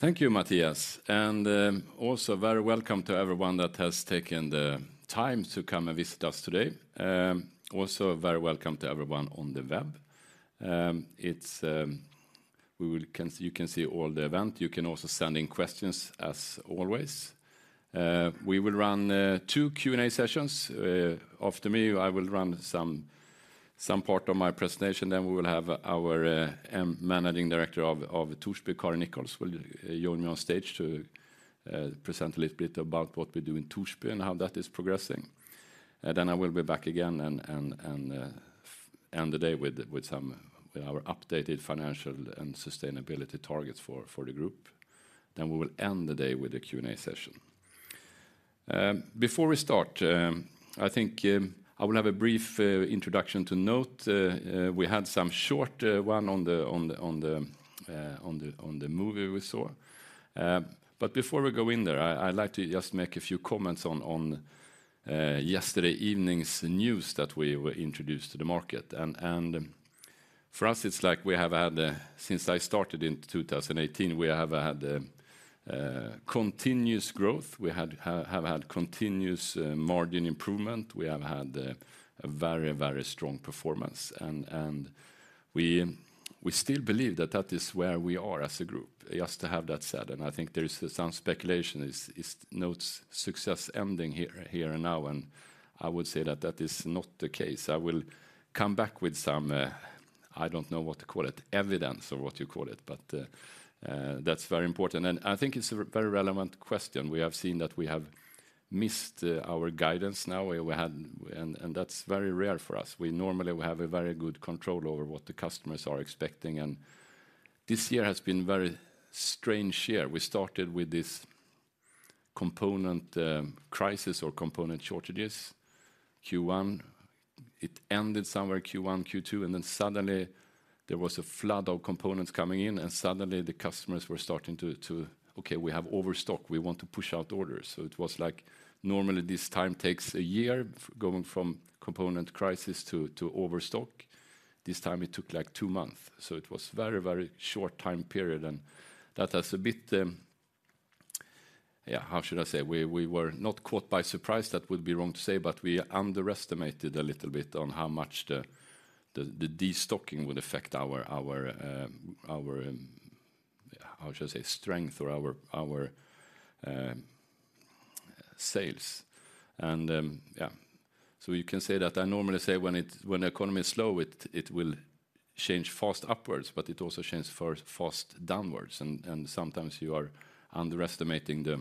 Thank you, Mattias, and also very welcome to everyone that has taken the time to come and visit us today. Also very welcome to everyone on the web. It's. You can see all the event. You can also send in questions, as always. We will run two Q&A sessions. After me, I will run some part of my presentation, then we will have our Managing Director of Torsby site, Karin Nichols, will join me on stage to present a little bit about what we do in Torsby and how that is progressing. And then I will be back again and end the day with our updated financial and sustainability targets for the group. Then we will end the day with a Q&A session. Before we start, I think I will have a brief introduction to NOTE. We had some short one on the movie we saw. But before we go in there, I'd like to just make a few comments on yesterday evening's news that we were introduced to the market, and for us, it's like we have had since I started in 2018, we have had continuous growth. We had, have, have had continuous margin improvement. We have had a very, very strong performance, and we still believe that that is where we are as a group. Just to have that said, and I think there is some speculation, is NOTE's success ending here, here and now, and I would say that that is not the case. I will come back with some, I don't know what to call it, evidence or what you call it, but, that's very important, and I think it's a very relevant question. We have seen that we have missed our guidance now, and that's very rare for us. We normally have a very good control over what the customers are expecting, and this year has been very strange year. We started with this component crisis or component shortages, Q1. It ended somewhere Q1, Q2, and then suddenly, there was a flood of components coming in, and suddenly, the customers were starting to, "Okay, we have overstock. “We want to push out orders.” So it was like, normally, this time takes a year, going from component crisis to overstock. This time, it took, like, two months, so it was very, very short time period, and that has a bit... Yeah, how should I say? We were not caught by surprise, that would be wrong to say, but we underestimated a little bit on how much the destocking would affect our strength or our sales. And, yeah, so you can say that I normally say when the economy is slow, it will change fast upwards, but it also changes for fast downwards, and sometimes you are underestimating the,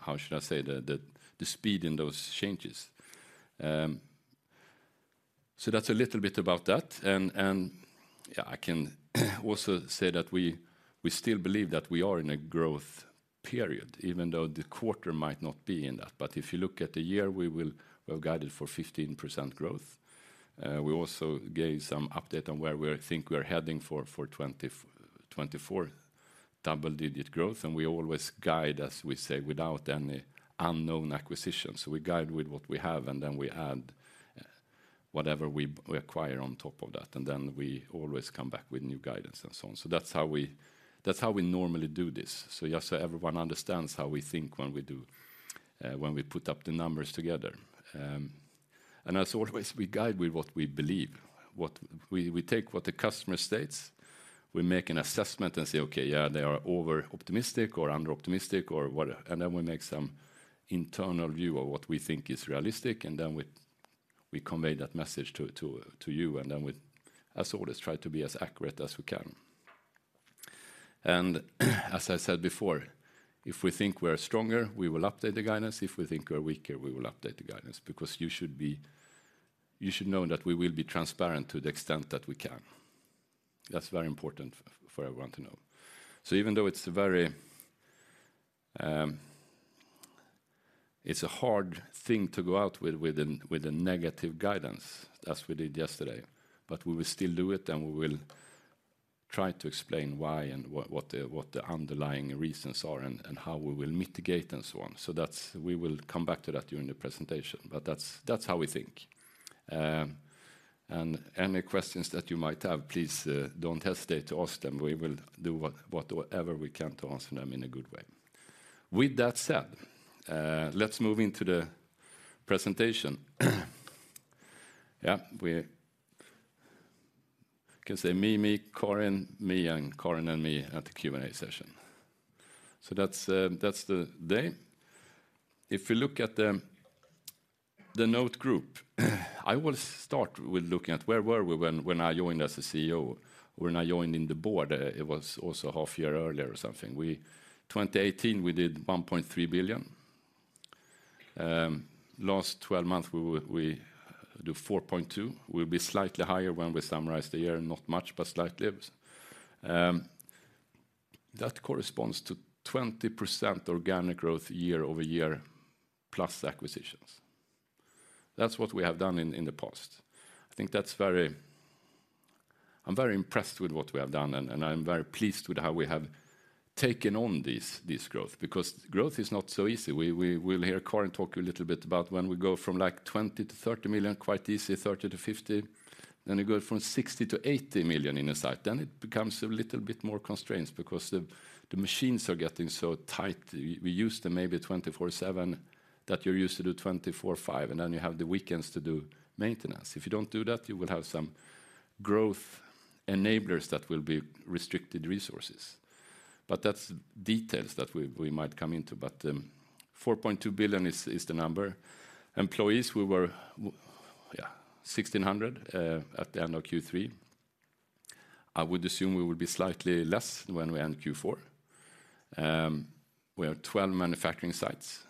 how should I say, the speed in those changes. So that's a little bit about that, and yeah, I can also say that we still believe that we are in a growth period, even though the quarter might not be in that. But if you look at the year, we have guided for 15% growth. We also gave some update on where we think we are heading for 2024: double-digit growth, and we always guide, as we say, without any unknown acquisitions. So we guide with what we have, and then we add whatever we acquire on top of that, and then we always come back with new guidance and so on. So that's how we normally do this. So just so everyone understands how we think when we put up the numbers together. And as always, we guide with what we believe. We take what the customer states, we make an assessment and say, "Okay, yeah, they are over-optimistic or under-optimistic, or what-" And then we make some internal view of what we think is realistic, and then we convey that message to you, and then we, as always, try to be as accurate as we can. And as I said before, if we think we are stronger, we will update the guidance. If we think we are weaker, we will update the guidance, because you should know that we will be transparent to the extent that we can. That's very important for everyone to know. So even though it's very... It's a hard thing to go out with a negative guidance as we did yesterday, but we will still do it, and we will try to explain why and what the underlying reasons are and how we will mitigate and so on. So that's, we will come back to that during the presentation, but that's how we think. And any questions that you might have, please don't hesitate to ask them. We will do whatever we can to answer them in a good way. With that said, let's move into the presentation. Yeah, we can say me, me, Karin, me, and Karin, and me at the Q&A session. So that's the day. If you look at the NOTE group, I will start with looking at where we were when I joined as CEO, when I joined the board; it was also a half year earlier or something. In 2018, we did 1.3 billion. Last twelve months, we did 4.2 billion, will be slightly higher when we summarize the year, not much, but slightly. That corresponds to 20% organic growth year-over-year, plus acquisitions. That's what we have done in the past. I think that's very... I'm very impressed with what we have done, and I'm very pleased with how we have taken on this growth, because growth is not so easy. We'll hear Karin talk a little bit about when we go from, like, 20–30 million, quite easy, 30–50, then you go from 60–80 million in a site. Then it becomes a little bit more constrained because the machines are getting so tight. We use them maybe 24/7.... that you're used to do 24/5, and then you have the weekends to do maintenance. If you don't do that, you will have some growth enablers that will be restricted resources. But that's details that we might come into. But four point two billion is the number. Employees, we were sixteen hundred at the end of Q3. I would assume we would be slightly less when we end Q4. We have 12 manufacturing sites,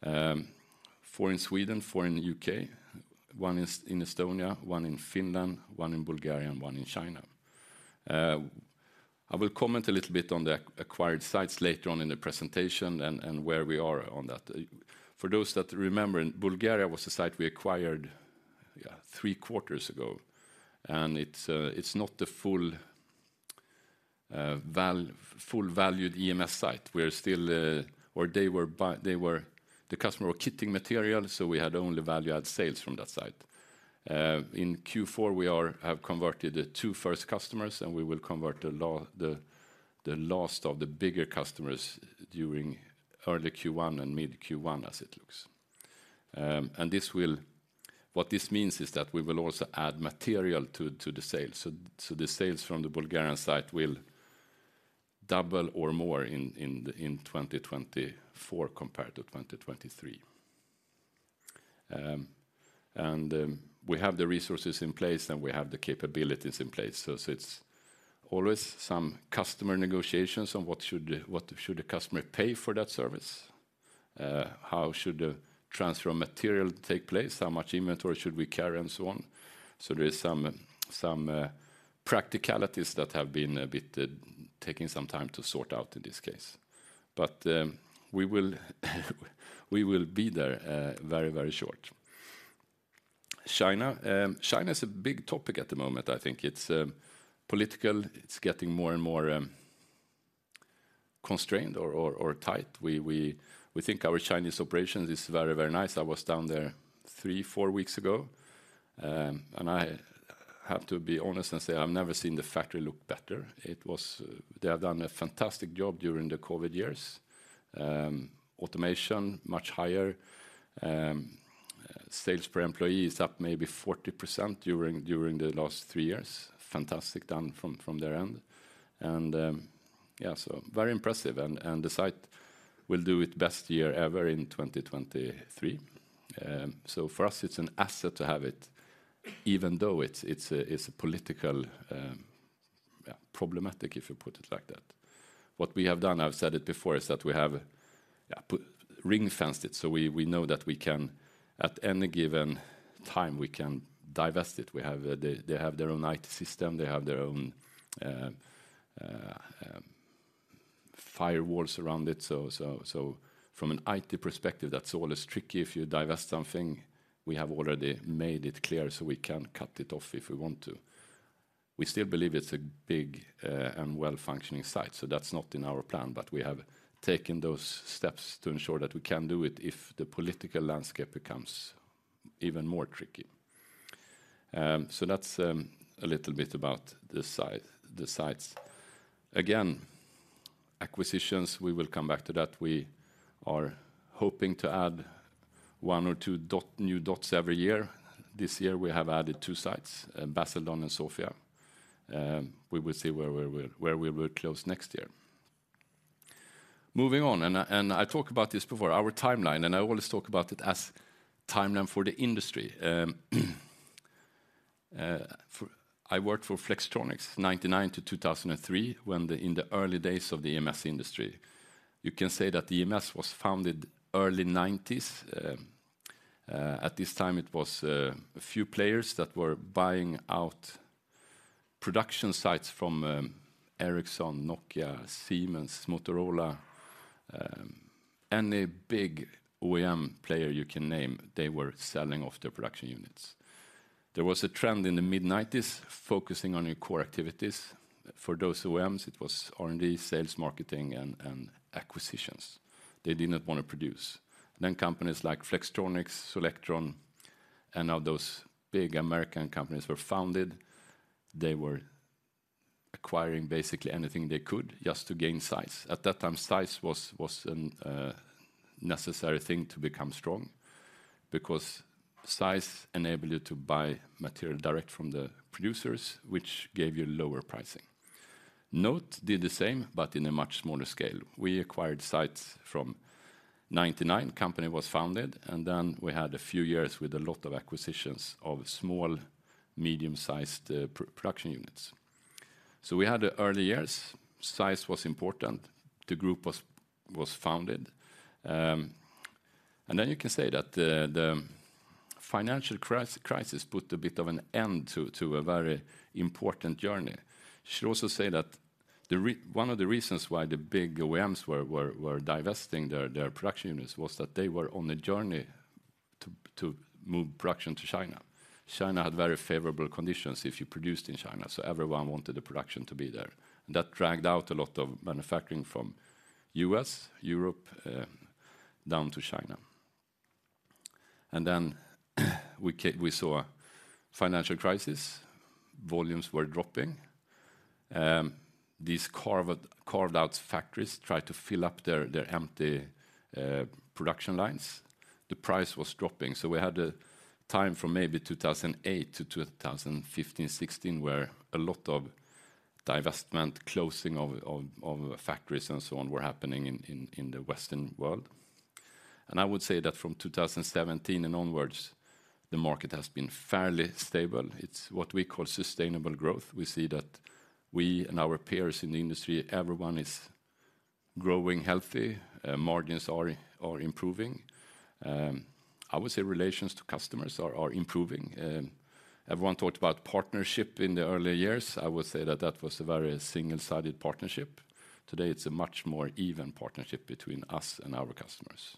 four in Sweden, four in the U.K, one is in Estonia, one in Finland, one in Bulgaria, and one in China. I will comment a little bit on the acquired sites later on in the presentation, and where we are on that. For those that remember, Bulgaria was a site we acquired, yeah, 3 quarters ago, and it's not the full valued EMS site. The customer were kitting material, so we had only value-add sales from that site. In Q4, we have converted the 2 first customers, and we will convert the last of the bigger customers during early Q1 and mid-Q1, as it looks. And this will, what this means is that we will also add material to the sale. So the sales from the Bulgarian site will double or more in 2024 compared to 2023. And we have the resources in place, and we have the capabilities in place. So it's always some customer negotiations on what should the customer pay for that service? How should the transfer of material take place? How much inventory should we carry, and so on. So there is some practicalities that have been a bit taking some time to sort out in this case. But we will be there very short. China is a big topic at the moment. I think it's political. It's getting more and more constrained or tight. We think our Chinese operations is very, very nice. I was down there 3–4 weeks ago, and I have to be honest and say I've never seen the factory look better. They have done a fantastic job during the COVID years. Automation, much higher. Sales per employee is up maybe 40% during the last 3 years. Fantastic done from their end, and yeah, so very impressive, and the site will do its best year ever in 2023. So for us, it's an asset to have it, even though it's a political yeah, problematic, if you put it like that. What we have done, I've said it before, is that we have put ring-fenced it, so we know that we can, at any given time, we can divest it. They have their own IT system. They have their own firewalls around it. So from an IT perspective, that's always tricky if you divest something. We have already made it clear, so we can cut it off if we want to. We still believe it's a big and well-functioning site, so that's not in our plan, but we have taken those steps to ensure that we can do it if the political landscape becomes even more tricky. So that's a little bit about the site, the sites. Again, acquisitions, we will come back to that. We are hoping to add one or two new dots every year. This year, we have added two sites, Basildon and Sofia. We will see where we will close next year. Moving on, I talked about this before, our timeline, and I always talk about it as timeline for the industry. I worked for Flextronics, 1999–2003, when, in the early days of the EMS industry. You can say that the EMS was founded early 1990s. At this time, it was a few players that were buying out production sites from Ericsson, Nokia, Siemens, Motorola. Any big OEM player you can name, they were selling off their production units. There was a trend in the mid-1990s focusing on your core activities. For those OEMs, it was R&D, sales, marketing, and acquisitions. They did not want to produce. Then companies like Flextronics, Solectron, and now those big American companies were founded. They were acquiring basically anything they could just to gain size. At that time, size was an necessary thing to become strong because size enabled you to buy material direct from the producers, which gave you lower pricing. NOTE did the same, but in a much smaller scale. We acquired sites from 1999, company was founded, and then we had a few years with a lot of acquisitions of small, medium-sized production units. So we had the early years. Size was important. The group was founded. And then you can say that the financial crisis put a bit of an end to a very important journey. Should also say that one of the reasons why the big OEMs were divesting their production units was that they were on a journey to move production to China. China had very favorable conditions if you produced in China, so everyone wanted the production to be there, and that dragged out a lot of manufacturing from U.S., Europe, down to China. And then we saw a financial crisis, volumes were dropping. These carved out factories tried to fill up their empty production lines. The price was dropping, so we had a time from maybe 2008 to 2015, 2016, where a lot of divestment, closing of factories, and so on, were happening in the Western world. I would say that from 2017 and onwards, the market has been fairly stable. It's what we call sustainable growth. We see that we and our peers in the industry, everyone is growing healthy, margins are improving. I would say relations to customers are improving. Everyone talked about partnership in the early years. I would say that that was a very single-sided partnership. Today, it's a much more even partnership between us and our customers.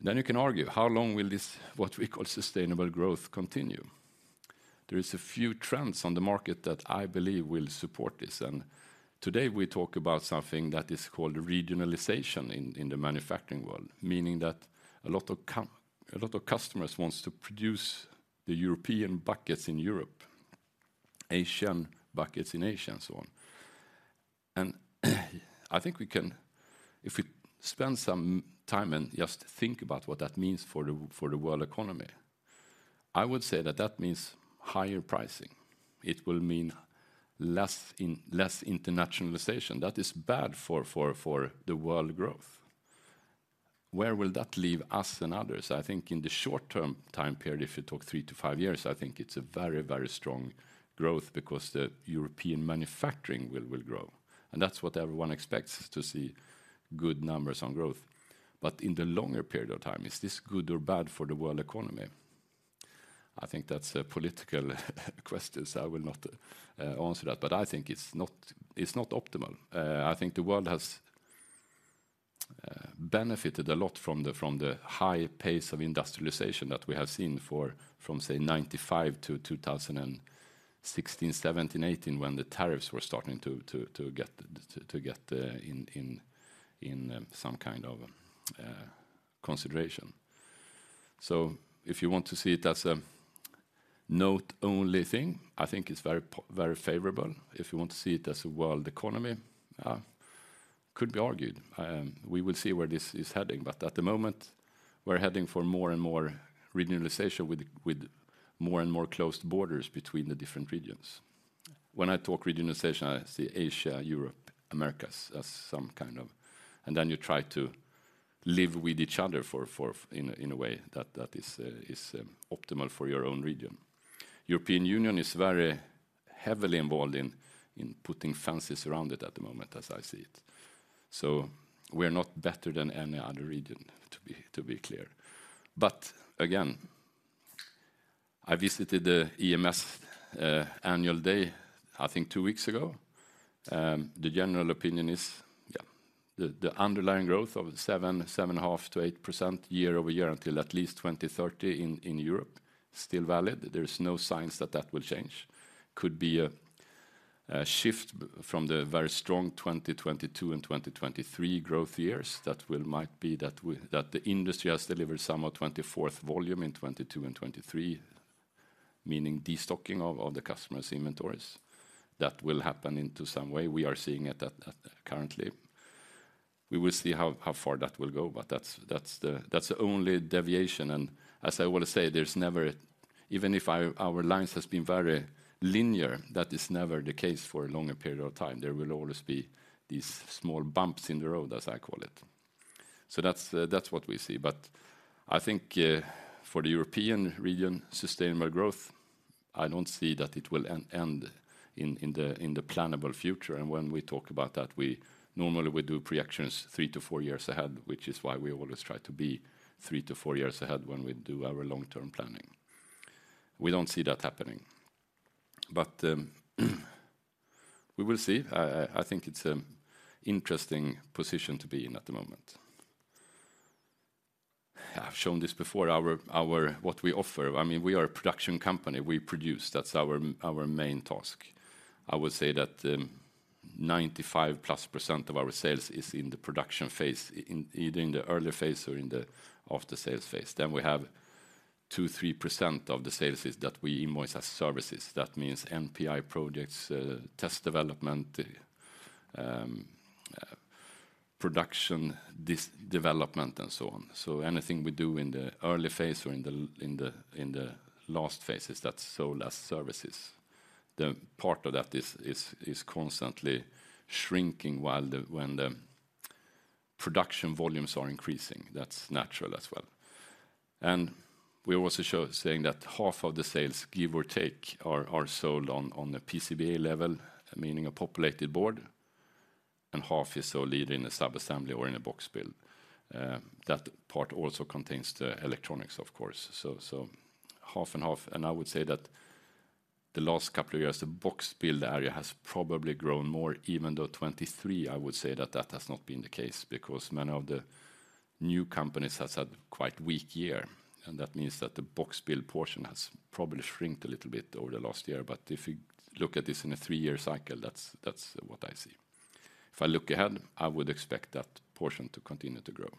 Then you can argue, how long will this, what we call sustainable growth, continue? There is a few trends on the market that I believe will support this, and today, we talk about something that is called regionalization in the manufacturing world, meaning that a lot of customers wants to produce the European buckets in Europe, Asian buckets in Asia, and so on. And I think we can... If we spend some time and just think about what that means for the world economy, I would say that that means higher pricing. It will mean less internationalization. That is bad for the world growth. Where will that leave us and others? I think in the short-term time period, if you talk 3-5 years, I think it's a very, very strong growth because the European manufacturing will grow, and that's what everyone expects, is to see good numbers on growth. But in the longer period of time, is this good or bad for the world economy? I think that's a political question, so I will not answer that, but I think it's not, it's not optimal. I think the world has benefited a lot from the high pace of industrialization that we have seen for, from say 1995 to 2016, 2017, 2018, when the tariffs were starting to, to, to get, to, to get in, in, in some kind of consideration. So if you want to see it as a NOTE-only thing, I think it's very po- very favorable. If you want to see it as a world economy, could be argued, we will see where this is heading. But at the moment, we're heading for more and more regionalization with more and more closed borders between the different regions. When I talk regionalization, I see Asia, Europe, Americas as some kind of... And then you try to live with each other for in a way that is optimal for your own region. European Union is very heavily involved in putting fences around it at the moment, as I see it. So we're not better than any other region, to be clear. But again, I visited the EMS annual day, I think, 2 weeks ago. The general opinion is, yeah, the underlying growth of 7.5%–8% year-over-year until at least 2030 in Europe still valid. There is no signs that that will change. Could be a shift from the very strong 2022 and 2023 growth years that might be that we, that the industry has delivered some of 2024 volume in 2022 and 2023, meaning destocking of the customer's inventories. That will happen into some way. We are seeing it currently. We will see how far that will go, but that's the only deviation, and as I want to say, there's never, even if our lines has been very linear, that is never the case for a longer period of time. There will always be these small bumps in the road, as I call it. So that's what we see. But I think, for the European region, sustainable growth, I don't see that it will end in the plannable future. When we talk about that, we normally do projections 3-4 years ahead, which is why we always try to be 3–4 years ahead when we do our long-term planning. We don't see that happening, but we will see. I think it's an interesting position to be in at the moment. I've shown this before, our what we offer. I mean, we are a production company. We produce. That's our main task. I would say that 95%+ of our sales is in the production phase, in either the early phase or in the aftersales phase. Then we have 2-3% of the sales is that we invoice as services. That means NPI projects, test development, production, this development, and so on. Anything we do in the early phase or in the last phases is sold as services. The part of that is constantly shrinking, while, when the production volumes are increasing. That's natural as well. We're also saying that half of the sales, give or take, are sold on a PCBA level, meaning a populated board, and half is sold either in a sub-assembly or in a box build. That part also contains the electronics, of course, so half and half. And I would say that the last couple of years, the box build area has probably grown more, even though 2023, I would say that that has not been the case, because many of the new companies has had quite weak year, and that means that the box build portion has probably shrunk a little bit over the last year. But if you look at this in a 3-year cycle, that's what I see. If I look ahead, I would expect that portion to continue to grow.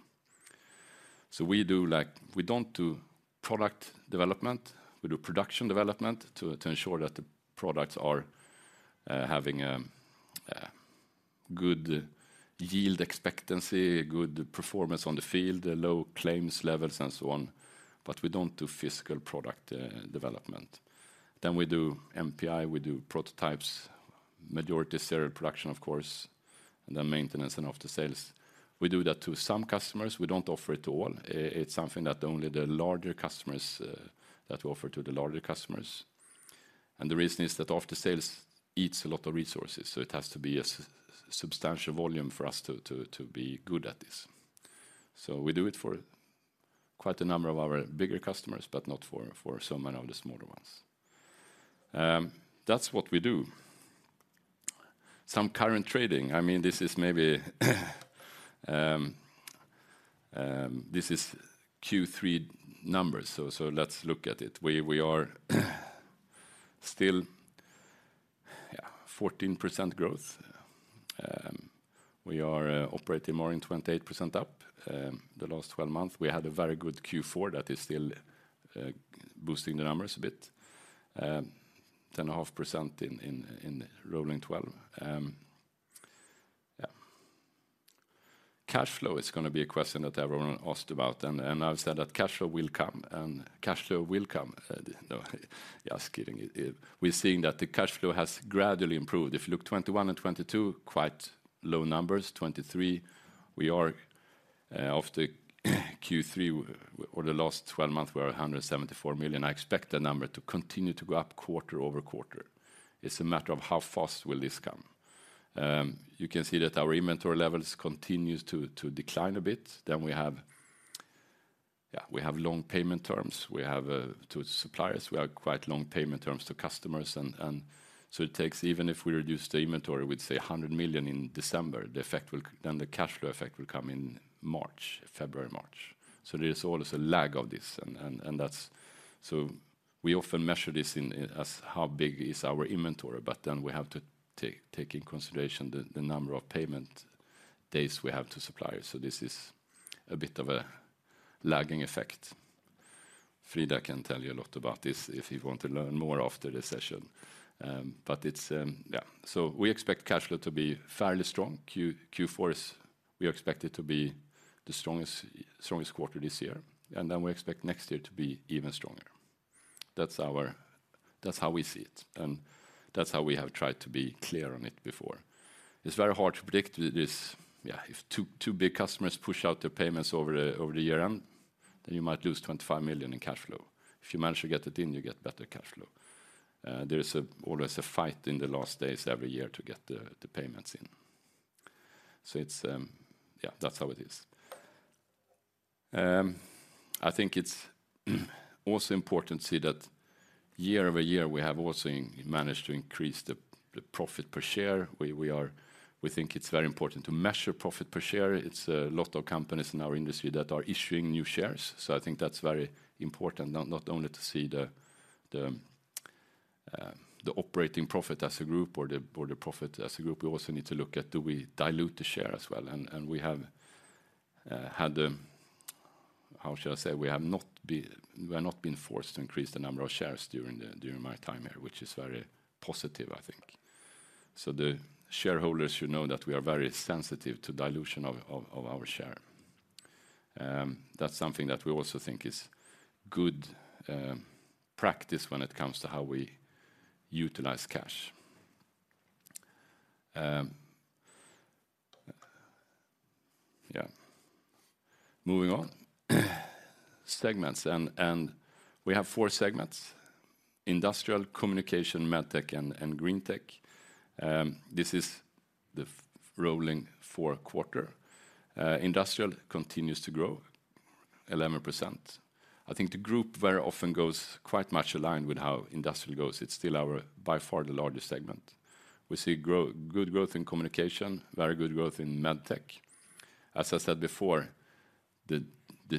So we do like, we don't do product development, we do production development to ensure that the products are having a good yield expectancy, good performance on the field, low claims levels, and so on, but we don't do physical product development. Then we do NPI, we do prototypes, majority serial production, of course, and then maintenance and after sales. We do that to some customers. We don't offer it to all. It's something that only the larger customers that we offer to the larger customers. And the reason is that after sales eats a lot of resources, so it has to be a substantial volume for us to be good at this. So we do it for quite a number of our bigger customers, but not for so many of the smaller ones. That's what we do. Some current trading. I mean, this is maybe this is Q3 numbers, so let's look at it. We are still 14% growth. We are operating margin 28% up, the last 12 months. We had a very good Q4 that is still boosting the numbers a bit. 10.5% in rolling twelve. Yeah. Cash flow is gonna be a question that everyone asked about, and I've said that cash flow will come, and cash flow will come. No, just kidding. We're seeing that the cash flow has gradually improved. If you look 2021 and 2022, quite low numbers. 2023, we are after Q3, or the last twelve months, we are 174 million. I expect the number to continue to go up quarter-over-quarter. It's a matter of how fast will this come. You can see that our inventory levels continues to decline a bit. Then we have, yeah, we have long payment terms. We have to suppliers, we have quite long payment terms to customers, and so it takes even if we reduce the inventory, we'd say 100 million in December, the effect will... then the cash flow effect will come in March, February, March. So there is always a lag of this, and that's. So we often measure this in, as how big is our inventory, but then we have to take into consideration the number of payment days we have to suppliers. So this is a bit of a lagging effect. Frida can tell you a lot about this if you want to learn more after the session. But it's, yeah. So we expect cash flow to be fairly strong. Q4 is we expect it to be the strongest, strongest quarter this year, and then we expect next year to be even stronger. That's our, that's how we see it, and that's how we have tried to be clear on it before. It's very hard to predict this, yeah, if two big customers push out their payments over the year end, then you might lose 25 million in cash flow. If you manage to get it in, you get better cash flow. There is always a fight in the last days every year to get the payments in. So it's, yeah, that's how it is. I think it's also important to see that year-over-year, we have also managed to increase the profit per share. We are, we think it's very important to measure profit per share. It's a lot of companies in our industry that are issuing new shares, so I think that's very important, not, not only to see the, the, the operating profit as a group or the, or the profit as a group, we also need to look at do we dilute the share as well? And, and we have had, how shall I say? We have not been, we have not been forced to increase the number of shares during the, during my time here, which is very positive, I think. So the shareholders should know that we are very sensitive to dilution of, of, of our share. That's something that we also think is good practice when it comes to how we utilize cash. Yeah. Moving on. Segments, and we have four segments: Industrial, Communication, Medtech, and Greentech. This is the rolling four quarter. Industrial continues to grow 11%. I think the group very often goes quite much aligned with how Industrial goes. It's still our, by far, the largest segment. We see good growth in Communication, very good growth in Medtech. As I said before, the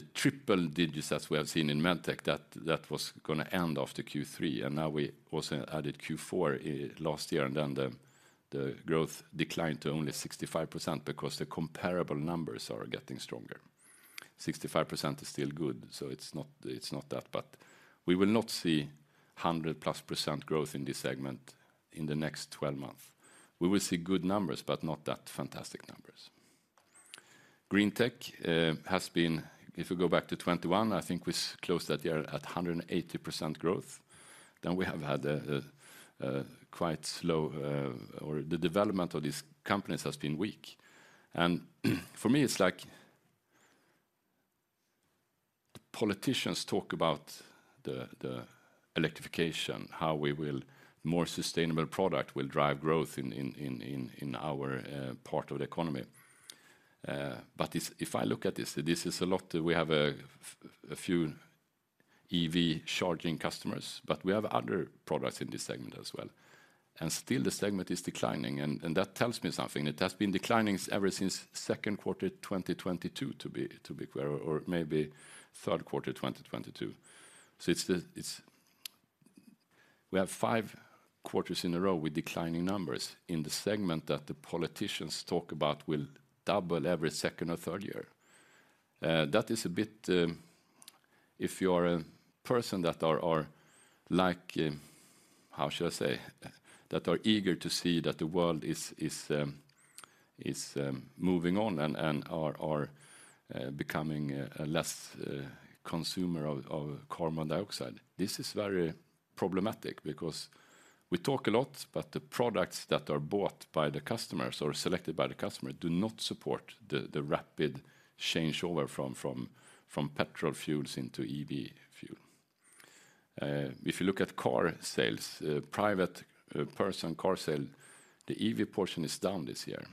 triple digits as we have seen in Medtech, that was gonna end after Q3, and now we also added Q4 last year, and then the growth declined to only 65% because the comparable numbers are getting stronger. 65% is still good, so it's not, it's not that, but we will not see 100%+ growth in this segment in the next twelve months. We will see good numbers, but not that fantastic numbers. Greentech has been, if we go back to 2021, I think we closed that year at 180% growth. Then we have had a quite slow, or the development of these companies has been weak. And for me, it's like politicians talk about the electrification, how we will more sustainable product will drive growth in our part of the economy. But if I look at this, this is a lot. We have a few EV charging customers, but we have other products in this segment as well, and still, the segment is declining, and that tells me something. It has been declining ever since second quarter of 2022, to be clear, or maybe third quarter of 2022. So it's. We have 5 quarters in a row with declining numbers in the segment that the politicians talk about will double every second or third year. That is a bit, if you are a person that are like, how should I say? That are eager to see that the world is moving on and are becoming a less consumer of carbon dioxide. This is very problematic because we talk a lot, but the products that are bought by the customers or selected by the customer, do not support the rapid changeover from petrol fuels into EV fuel. If you look at car sales, private person car sale, the EV portion is down this year.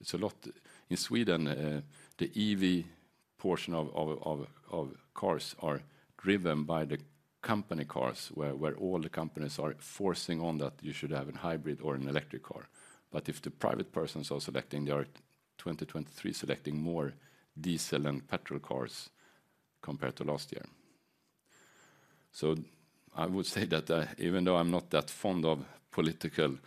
It's a lot. In Sweden, the EV portion of cars are driven by the company cars, where all the companies are forcing on that you should have a hybrid or an electric car. But if the private persons are selecting, they are 2023 selecting more diesel and petrol cars compared to last year. So I would say that, even though I'm not that fond of political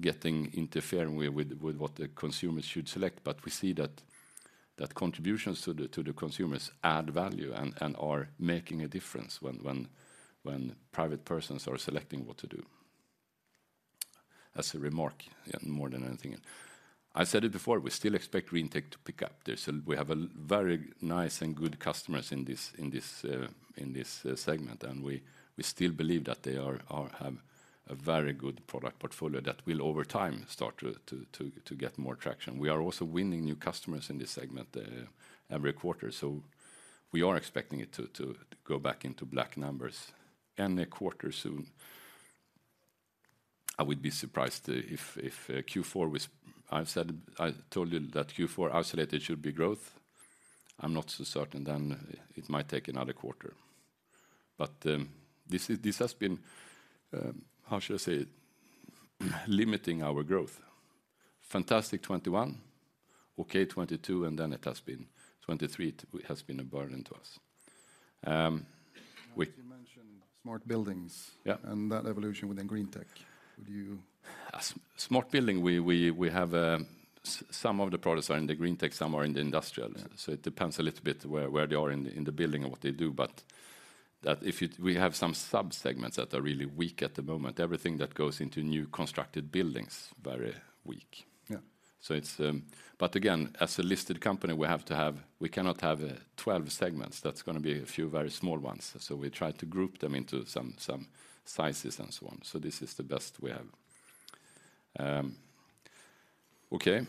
getting interfering with what the consumers should select, but we see that contributions to the consumers add value and are making a difference when private persons are selecting what to do. As a remark, more than anything. I said it before, we still expect Greentech to pick up. There's a we have a very nice and good customers in this segment, and we still believe that they have a very good product portfolio that will, over time, start to get more traction. We are also winning new customers in this segment every quarter, so we are expecting it to go back into black numbers any quarter soon. I would be surprised if Q4 was. I've said, I told you that Q4 isolated should be growth. I'm not so certain then, it might take another quarter. But this is, this has been how should I say it? Limiting our growth. Fantastic 2021, okay, 2022, and then it has been 2023, it has been a burden to us. We- You mentioned Smart buildings- Yeah. and that evolution within Greentech. Would you? As smart building, we have some of the products are in the Greentech, some are in the industrial. Yeah. So it depends a little bit where they are in the building and what they do, but that if it, we have some subsegments that are really weak at the moment, everything that goes into new constructed buildings, very weak. Yeah. So it's... But again, as a listed company, we have to have—we cannot have twelve segments. That's gonna be a few very small ones. So we try to group them into some sizes and so on. So this is the best we have. Okay,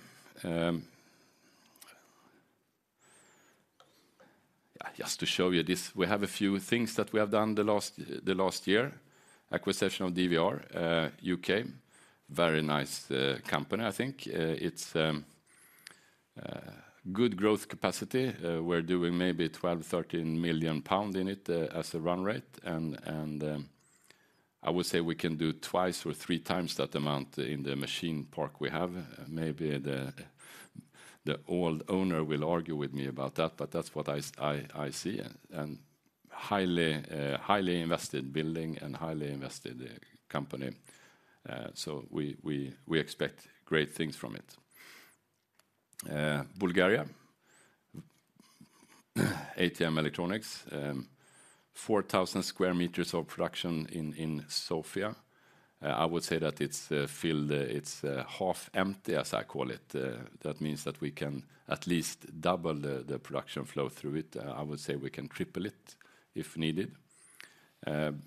yeah, just to show you this, we have a few things that we have done the last year. Acquisition of DVR, U.K. Very nice company, I think. It's good growth capacity. We're doing maybe 12–13 million pounds in it as a run rate, and I would say we can do twice or three times that amount in the machine park we have. Maybe the old owner will argue with me about that, but that's what I see, and highly invested building and highly invested company. So we expect great things from it. Bulgaria, ATM Electronics AB, 4,000 square meters of production in Sofia. I would say that it's filled, it's half empty, as I call it. That means that we can at least double the production flow through it. I would say we can triple it if needed,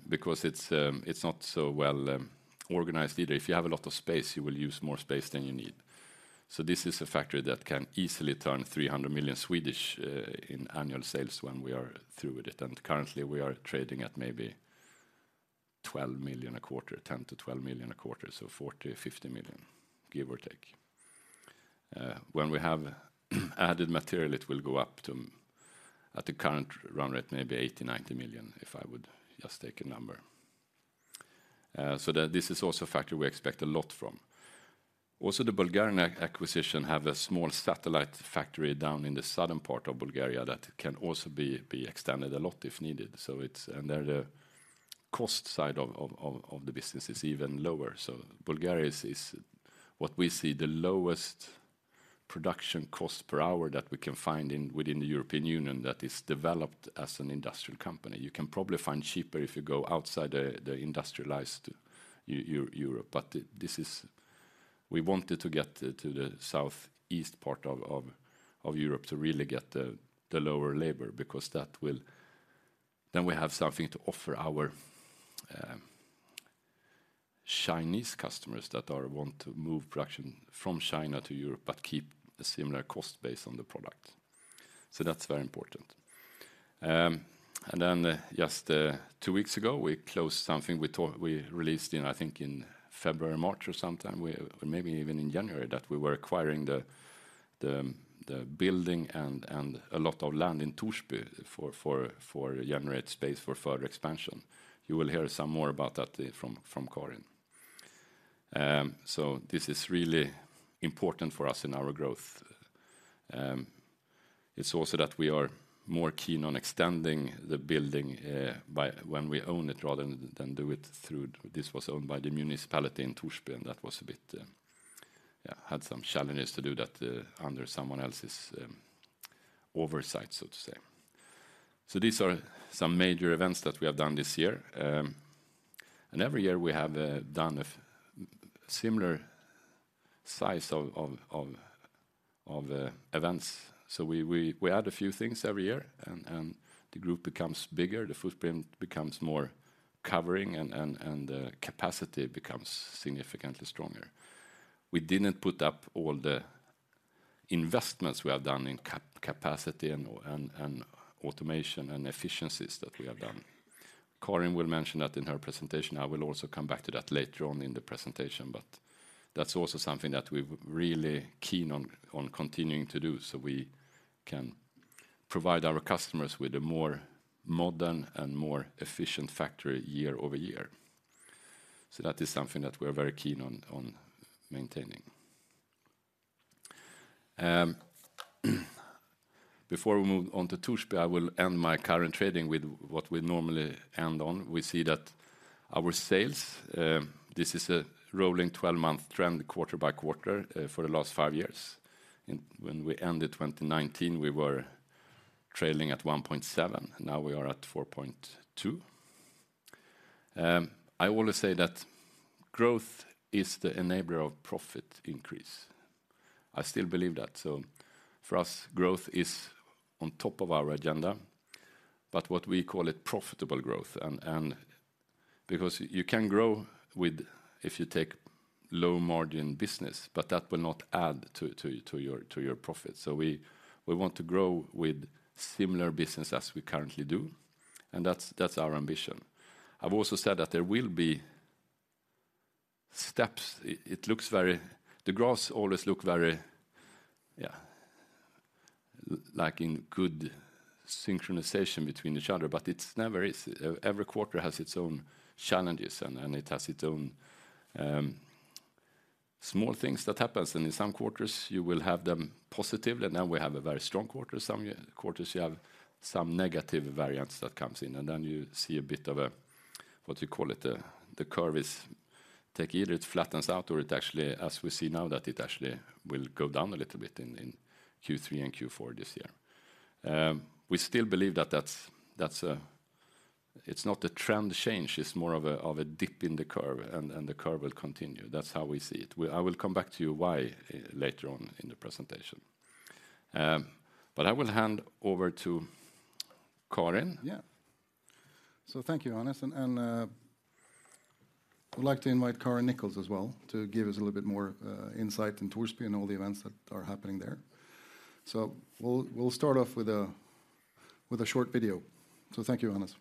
because it's not so well organized either. If you have a lot of space, you will use more space than you need. So this is a factory that can easily turn 300 million in annual sales when we are through with it, and currently, we are trading at maybe 12 million a quarter, 10 million–12 million a quarter, so 40 million–50 million, give or take. When we have added material, it will go up to, at the current run rate, maybe 80 million–90 million, if I would just take a number. So that this is also a factor we expect a lot from. Also, the Bulgarian acquisition have a small satellite factory down in the southern part of Bulgaria that can also be extended a lot if needed. So it's and then the cost side of the business is even lower. So Bulgaria is what we see, the lowest production cost per hour that we can find within the European Union, that is developed as an industrial company. You can probably find cheaper if you go outside the industrialized Europe, but this is we wanted to get to the southeast part of Europe to really get the lower labor, because that will... Then we have something to offer our Chinese customers that are want to move production from China to Europe, but keep a similar cost base on the product. So that's very important. And then, just two weeks ago, we closed something. We released in, I think in February, March or sometime, or maybe even in January, that we were acquiring the building and a lot of land in Torsby for generate space for further expansion. You will hear some more about that from Karin. So this is really important for us in our growth. It's also that we are more keen on extending the building by when we own it, rather than do it through. This was owned by the Municipality in Torsby, and that was a bit had some challenges to do that under someone else's oversight, so to say. So these are some major events that we have done this year. And every year we have done a similar size of events. So we add a few things every year, and the group becomes bigger, the footprint becomes more covering, and the capacity becomes significantly stronger. We didn't put up all the investments we have done in capacity and automation and efficiencies that we have done. Karin will mention that in her presentation. I will also come back to that later on in the presentation, but that's also something that we're really keen on continuing to do, so we can provide our customers with a more modern and more efficient factory year-over-year. So that is something that we are very keen on maintaining. Before we move on to Torsby, I will end my current trading with what we normally end on. We see that our sales, this is a rolling 12-month trend, quarter by quarter, for the last five years. When we ended 2019, we were trailing at 1.7, and now we are at 4.2. I want to say that growth is the enabler of profit increase. I still believe that. So for us, growth is on top of our agenda, but what we call profitable growth, and because you can grow with if you take low-margin business, but that will not add to your profit. So we want to grow with similar business as we currently do, and that's our ambition. I've also said that there will be steps. The graphs always look very like in good synchronization between each other, but it never is. Every quarter has its own challenges, and it has its own small things that happens, and in some quarters, you will have them positive, and now we have a very strong quarter. Some quarters, you have some negative variance that comes in, and then you see a bit of a, what you call it, the curve is take either it flattens out or it actually, as we see now, that it actually will go down a little bit in Q3 and Q4 this year. We still believe that that's a—it's not a trend change, it's more of a dip in the curve, and the curve will continue. That's how we see it. I will come back to you why later on in the presentation. But I will hand over to Karin. Yeah. So thank you, Hannes, and I'd like to invite Karin Nichols as well to give us a little bit more insight in Torsby and all the events that are happening there. So we'll start off with a short video. So thank you, Hannes.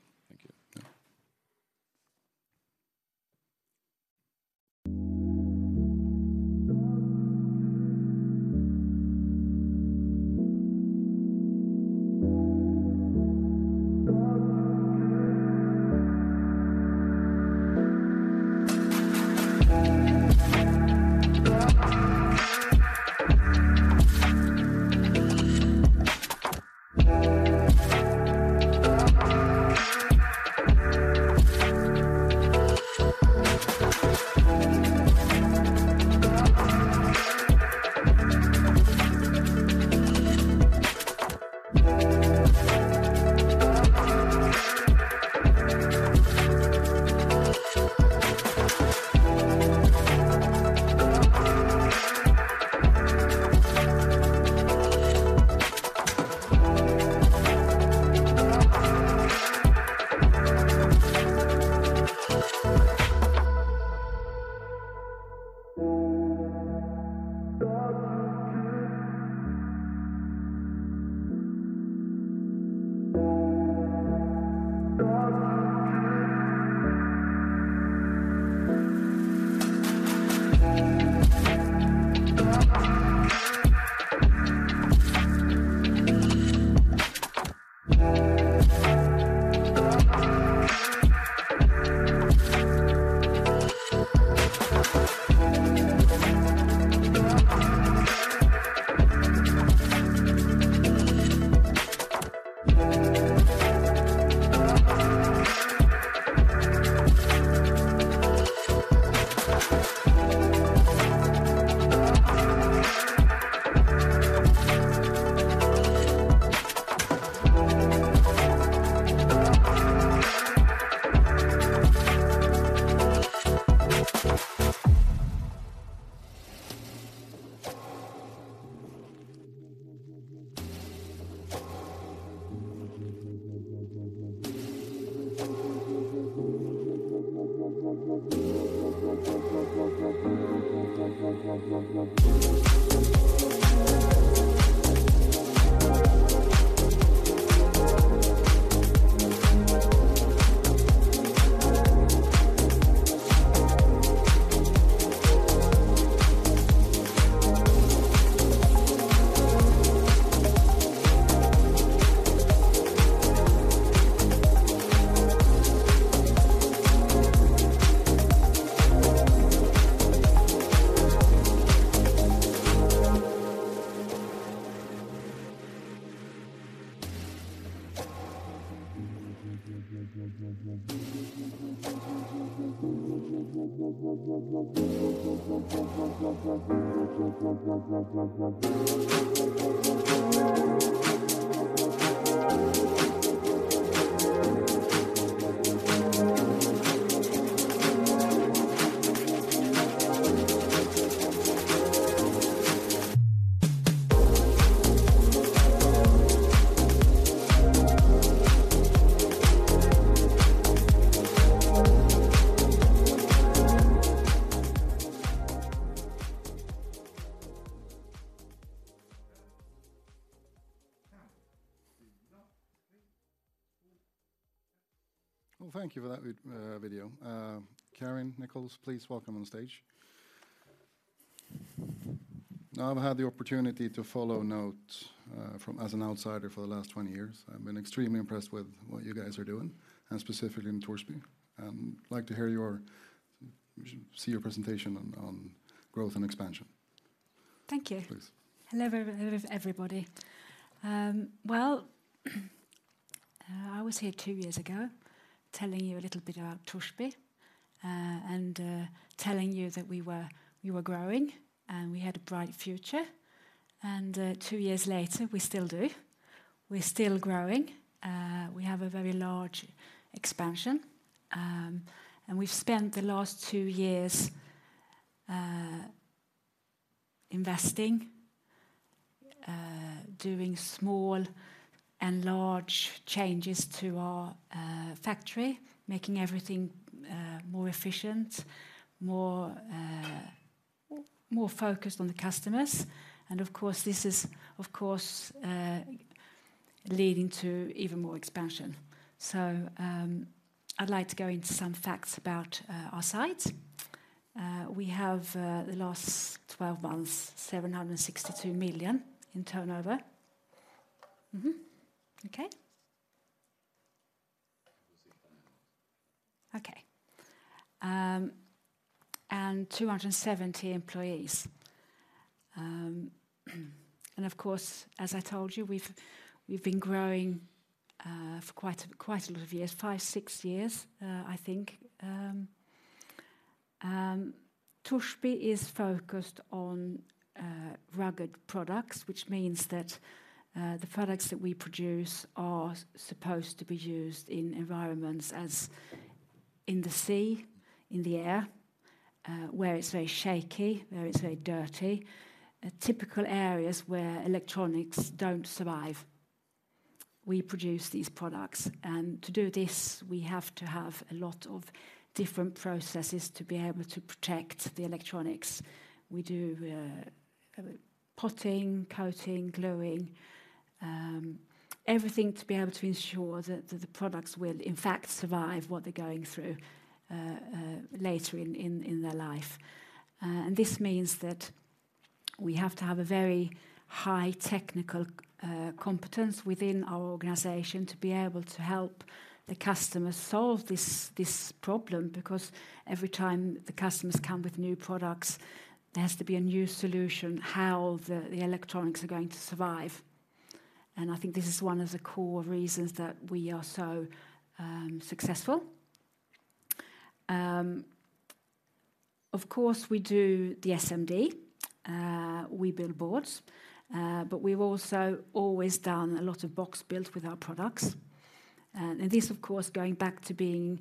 Thank you.... Well, thank you for that vid, video. Karin Nichols, please welcome on stage. Now, I've had the opportunity to follow NOTE, from—as an outsider for the last 20 years. I've been extremely impressed with what you guys are doing and specifically in Torsby. And like to hear your, we should see your presentation on, on growth and expansion. Thank you. Please. Hello, everybody. Well, I was here two years ago telling you a little bit about Torsby, and telling you that we were growing, and we had a bright future. Two years later, we still do. We're still growing. We have a very large expansion, and we've spent the last two years investing, doing small and large changes to our factory, making everything more efficient, more focused on the customers. Of course, this is leading to even more expansion. So, I'd like to go into some facts about our site. We have the last 12 months, 762 million in turnover. Okay? ... Okay. And 270 employees. And of course, as I told you, we've, we've been growing for quite a, quite a lot of years, five, six years, I think. Torsby is focused on rugged products, which means that the products that we produce are supposed to be used in environments as in the sea, in the air, where it's very shaky, where it's very dirty. Typical areas where electronics don't survive, we produce these products. And to do this, we have to have a lot of different processes to be able to protect the electronics. We do potting, coating, gluing, everything to be able to ensure that the products will in fact survive what they're going through later in their life. And this means that we have to have a very high technical competence within our organization to be able to help the customer solve this problem, because every time the customers come with new products, there has to be a new solution how the electronics are going to survive. And I think this is one of the core reasons that we are so successful. Of course, we do the SMD, we build boards, but we've also always done a lot of box builds with our products. And this, of course, going back to being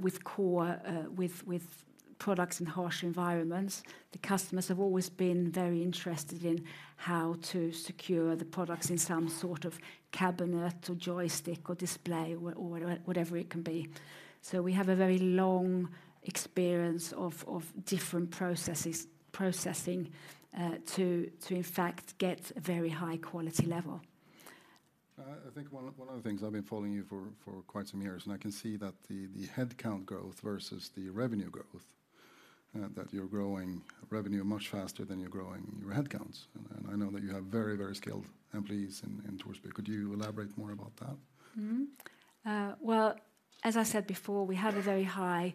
with core products in harsh environments, the customers have always been very interested in how to secure the products in some sort of cabinet or joystick or display or whatever it can be. So we have a very long experience of different processes to in fact get a very high quality level. I think one of the things I've been following you for quite some years, and I can see that the headcount growth versus the revenue growth that you're growing revenue much faster than you're growing your headcounts. And I know that you have very, very skilled employees in Torsby. Could you elaborate more about that? Mm-hmm. Well, as I said before, we have a very high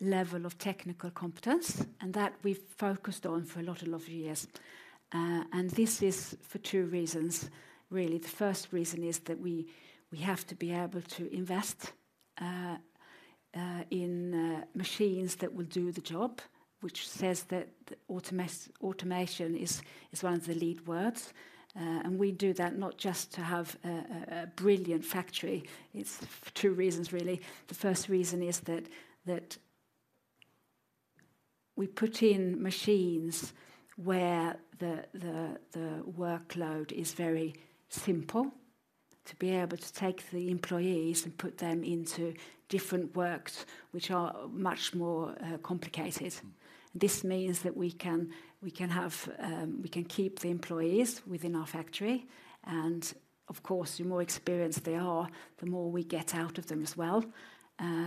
level of technical competence, and that we've focused on for a lot, a lot of years. This is for two reasons, really. The first reason is that we have to be able to invest in machines that will do the job, which says that automation is one of the lead words. We do that not just to have a brilliant factory. It's for two reasons, really. The first reason is that we put in machines where the workload is very simple, to be able to take the employees and put them into different works, which are much more complicated. Mm-hmm. This means that we can have we can keep the employees within our factory, and of course, the more experienced they are, the more we get out of them as well.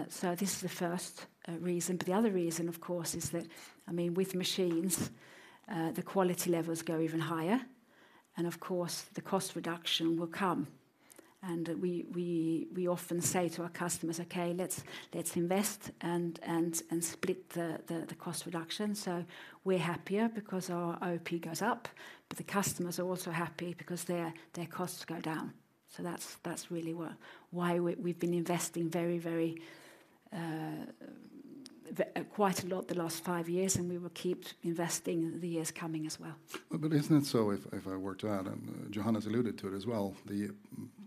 So this is the first reason. But the other reason, of course, is that, I mean, with machines the quality levels go even higher and of course, the cost reduction will come. And we often say to our customers: "Okay, let's invest and split the cost reduction." So we're happier because our OP goes up, but the customers are also happy because their costs go down. So that's really what why we we've been investing very, very quite a lot the last five years, and we will keep investing in the years coming as well. But isn't it so if I were to add, and Johannes alluded to it as well,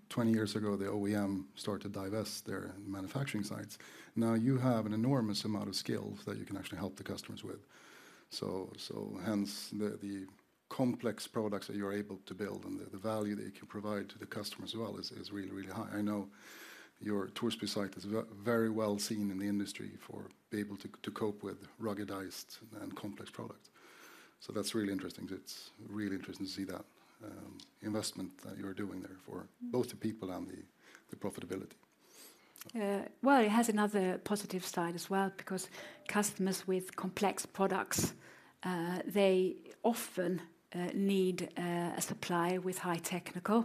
20 years ago, the OEM started to divest their manufacturing sites. Now, you have an enormous amount of skill that you can actually help the customers with. So hence, the complex products that you're able to build and the value that you can provide to the customer as well is really high. I know your Torsby site is very well seen in the industry for being able to cope with ruggedized and complex products. So that's really interesting. It's really interesting to see that investment that you're doing there for- Mm. both the people and the profitability. Well, it has another positive side as well, because customers with complex products, they often need a supplier with high technical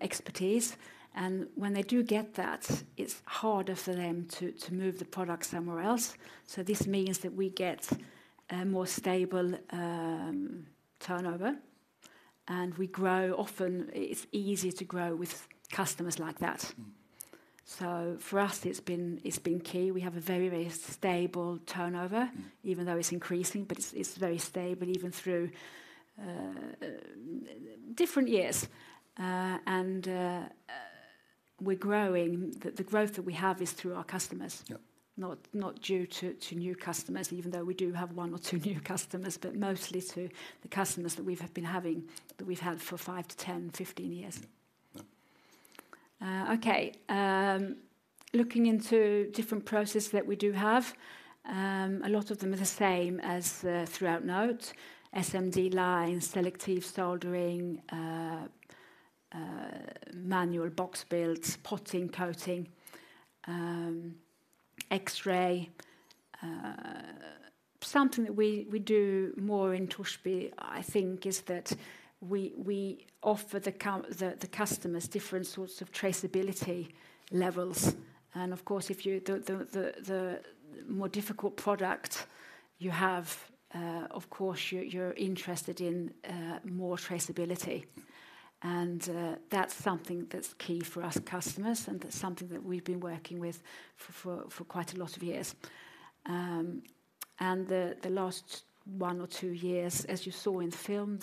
expertise. And when they do get that, it's harder for them to move the product somewhere else. So this means that we get a more stable turnover, and we grow, often it's easier to grow with customers like that. Mm. So for us, it's been key. We have a very, very stable turnover- Mm. Even though it's increasing, but it's very stable even through different years. And we're growing. The growth that we have is through our customers. Yep. not due to new customers, even though we do have one or two new customers, but mostly to the customers that we've been having, that we've had for 5–10, 15 years. Yep. Yep. Looking into different processes that we do have, a lot of them are the same as throughout NOTE: SMD lines, selective soldering, manual box builds, potting, coating, X-ray. Something that we do more in Torsby, I think, is that we offer the customer the more difficult product you have, of course, you're interested in more traceability. And that's something that's key for us customers, and that's something that we've been working with for quite a lot of years. And the last one or two years, as you saw in the film,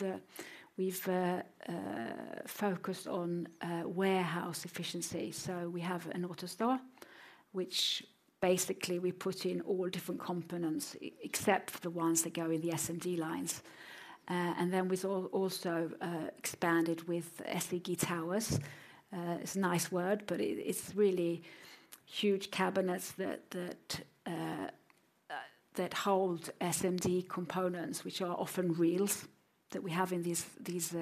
we've focused on warehouse efficiency. So we have an AutoStore, which basically we put in all different components, except for the ones that go in the SMD lines. And then we've also expanded with AS/RS towers. It's a nice word, but it's really huge cabinets that hold SMD components, which are often reels that we have in these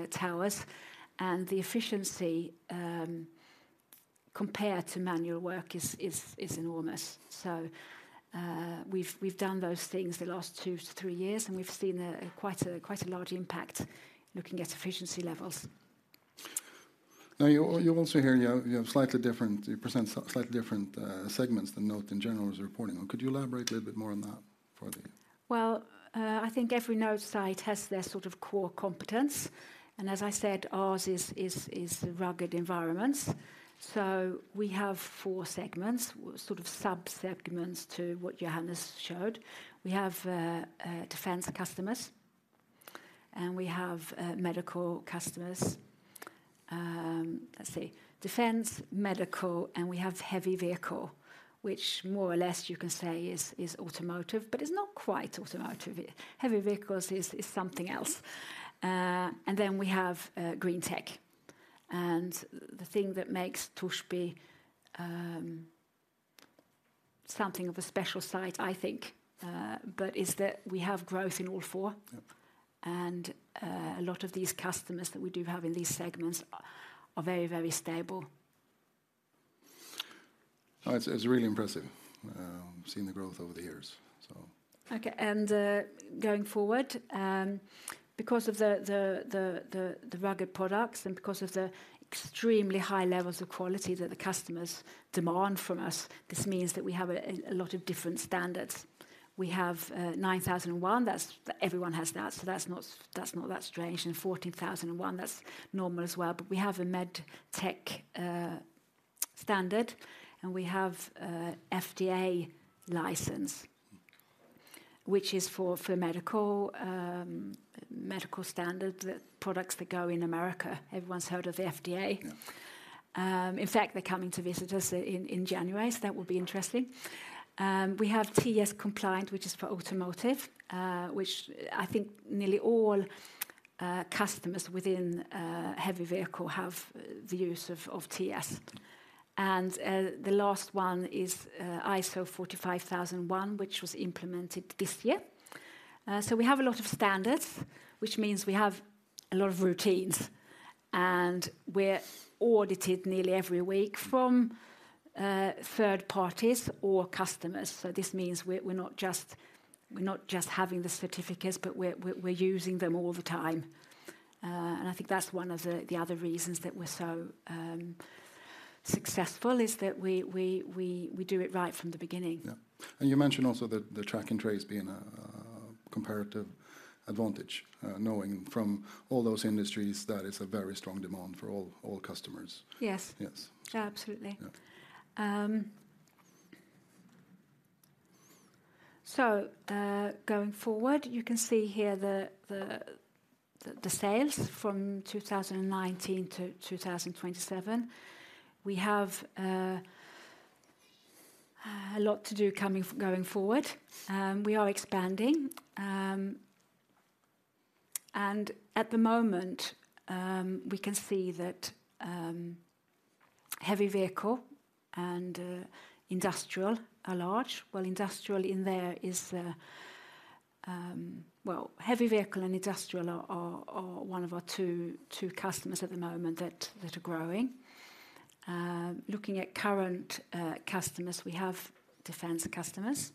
towers. And the efficiency compared to manual work is enormous. So we've done those things the last 2-3 years, and we've seen quite a large impact looking at efficiency levels. Now, you're also hearing you have slightly different-- you present slightly different segments than NOTE in general is reporting on. Could you elaborate a little bit more on that for the- Well, I think every NOTE site has their sort of core competence, and as I said, ours is, is, is the rugged environments. So we have four segments, sort of sub-segments to what Johannes showed. We have, Defense customers, and we have, Medical customers. Let's see, Defense, Medical, and we have Heavy Vehicle, which more or less you can say is, is automotive, but it's not quite automotive. Heavy vehicles is, is something else. And then we have, Greentech. And the thing that makes Torsby, something of a special site, I think, but is that we have growth in all four. Yep. A lot of these customers that we do have in these segments are very, very stable. Oh, it's, it's really impressive, seeing the growth over the years, so. Okay, and going forward, because of the rugged products and because of the extremely high levels of quality that the customers demand from us, this means that we have a lot of different standards. We have 9001, that's everyone has that, so that's not that strange. And 14001, that's normal as well. But we have a Medtech standard, and we have FDA license- Mm... which is for, for medical, medical standard that products that go in America. Everyone's heard of the FDA? Yeah. In fact, they're coming to visit us in, in January, so that will be interesting. We have TS compliant, which is for automotive, which I think nearly all, customers within, heavy vehicle have the use of, of TS. And, the last one is, ISO 45001, which was implemented this year. So we have a lot of standards, which means we have a lot of routines.... and we're audited nearly every week from, third parties or customers. So this means we're, we're not just, we're not just having the certificates, but we're, we're, we're using them all the time. And I think that's one of the, the other reasons that we're so, successful, is that we, we, we, we do it right from the beginning. Yeah. And you mentioned also that the track and trace being a comparative advantage, knowing from all those industries that it's a very strong demand for all customers. Yes. Yes. Absolutely. Yeah. Going forward, you can see here the sales from 2019–2027. We have a lot to do going forward. We are expanding. At the moment, we can see that heavy vehicle and industrial are large. Industrial in there is... Heavy vehicle and industrial are one of our two customers at the moment that are growing. Looking at current customers, we have Defense customers,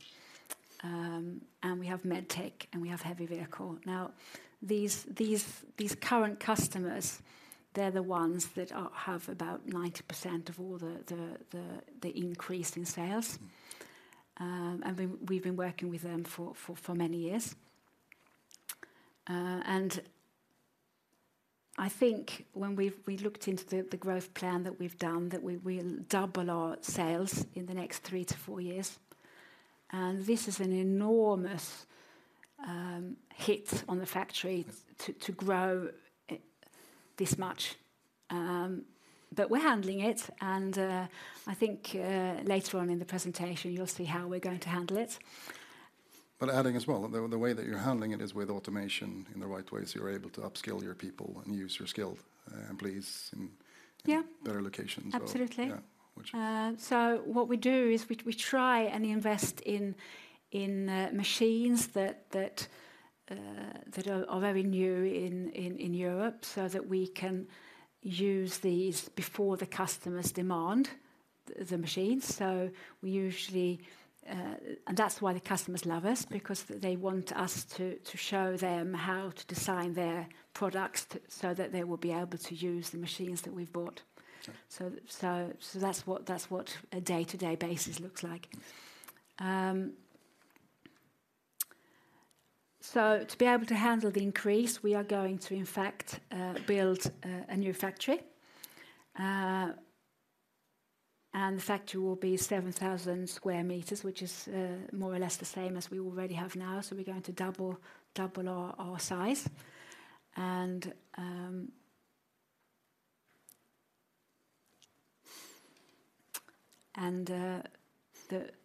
and we have Medtech, and we have heavy vehicle. Now, these current customers, they're the ones that have about 90% of all the increase in sales. Mm. We've been working with them for many years. I think when we looked into the growth plan that we've done, we'll double our sales in the next 3–4 years, and this is an enormous hit on the factory to grow it this much. But we're handling it, and I think later on in the presentation, you'll see how we're going to handle it. But adding as well, the way that you're handling it is with automation in the right way, so you're able to upskill your people and use your skilled employees in- Yeah... better locations. Absolutely. Yeah. Which- So what we do is we try and invest in machines that are very new in Europe, so that we can use these before the customers demand the machines. So we usually, and that's why the customers love us, because they want us to show them how to design their products, so that they will be able to use the machines that we've bought. Sure. So that's what a day-to-day basis looks like. So to be able to handle the increase, we are going to in fact build a new factory. And the factory will be 7,000 square meters, which is more or less the same as we already have now. So we're going to double our size.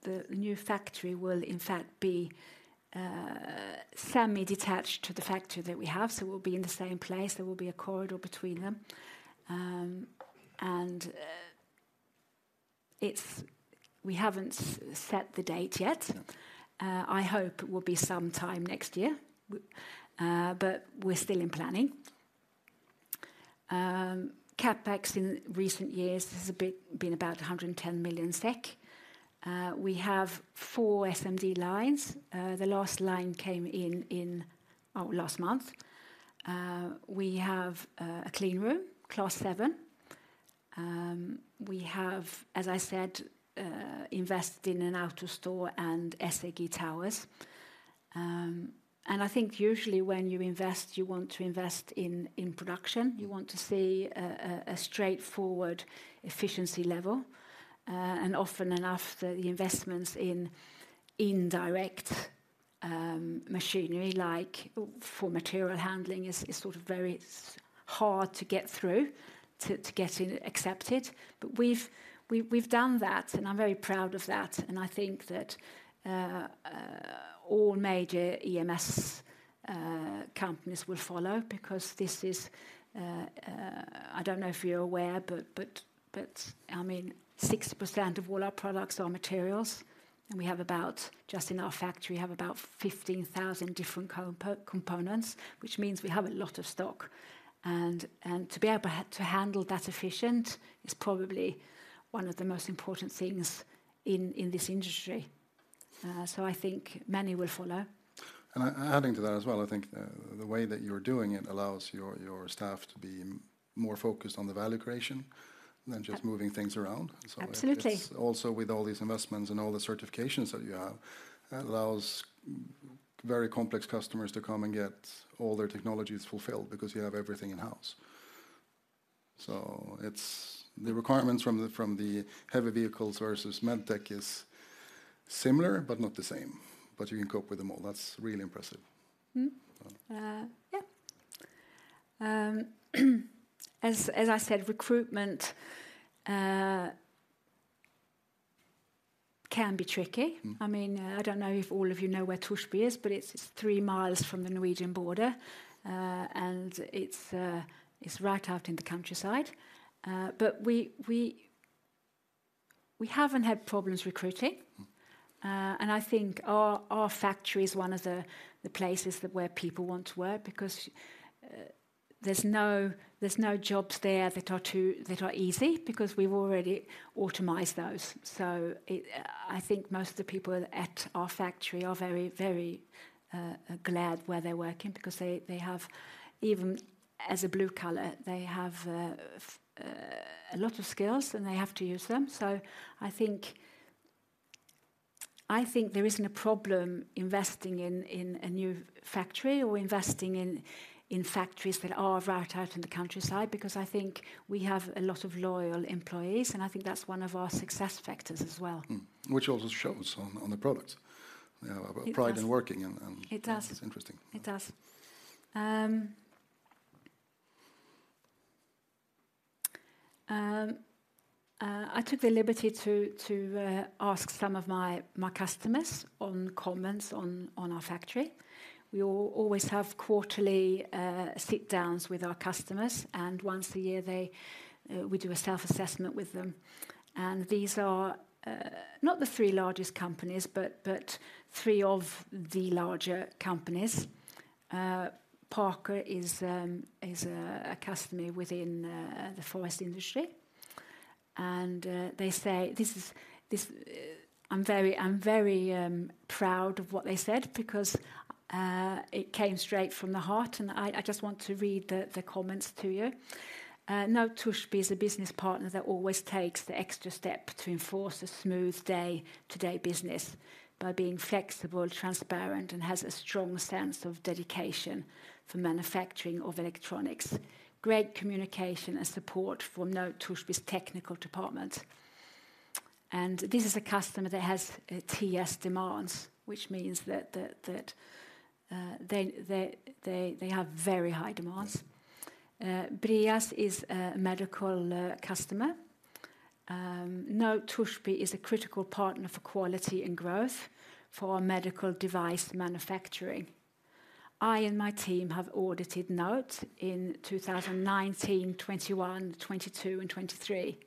The new factory will in fact be semi-detached to the factory that we have, so we'll be in the same place. There will be a corridor between them. We haven't set the date yet. Mm. I hope it will be sometime next year, but we're still in planning. CapEx in recent years has a bit been about 110 million SEK. We have 4 SMD lines. The last line came in last month. We have a clean room, Class 7. We have, as I said, invested in an AutoStore and AS/RS towers. And I think usually when you invest, you want to invest in production. You want to see a straightforward efficiency level. And often enough, the investments in indirect machinery, like for material handling, is sort of very hard to get through, to get it accepted. But we've done that, and I'm very proud of that, and I think that all major EMS companies will follow because this is... I don't know if you're aware, but I mean, 60% of all our products are materials, and we have about, just in our factory, we have about 15,000 different components, which means we have a lot of stock. And to be able to handle that efficient is probably one of the most important things in this industry. So I think many will follow. And I, adding to that as well, I think, the way that you're doing it allows your, your staff to be more focused on the value creation than just- Yeah... moving things around. So- Absolutely... it's also with all these investments and all the certifications that you have allows very complex customers to come and get all their technologies fulfilled because you have everything in-house. So it's the requirements from the heavy vehicles versus Medtech is similar, but not the same, but you can cope with them all. That's really impressive. Mm-hmm. Um. Yeah. As I said, recruitment can be tricky. Mm. I mean, I don't know if all of you know where Torsby is, but it's 3 miles from the Norwegian border, and it's right out in the countryside. But we haven't had problems recruiting. Mm. And I think our factory is one of the places where people want to work because there's no jobs there that are too easy, because we've already automated those. So I think most of the people at our factory are very, very glad where they're working because they have, even as a blue collar, a lot of skills, and they have to use them. So I think there isn't a problem investing in a new factory or investing in factories that are right out in the countryside, because I think we have a lot of loyal employees, and I think that's one of our success factors as well. Mm. Which also shows on the products. You know- It does ...about pride in working and It does. It's interesting. It does. I took the liberty to ask some of my customers on comments on our factory. We always have quarterly sit downs with our customers, and once a year we do a self-assessment with them. And these are not the three largest companies, but three of the larger companies. Parker is a customer within the forest industry, and they say, "This is, this..." I'm very proud of what they said because it came straight from the heart, and I just want to read the comments to you. "NOTE AB is a business partner that always takes the extra step to enforce a smooth day-to-day business by being flexible, transparent, and has a strong sense of dedication for manufacturing of electronics. Great communication and support from NOTE technical department." And this is a customer that has TS demands, which means that they have very high demands. Breas is a medical customer. "NOTE Torsby is a critical partner for quality and growth for medical device manufacturing. I and my team have audited NOTE in 2019, 2021, 2022, and 2023,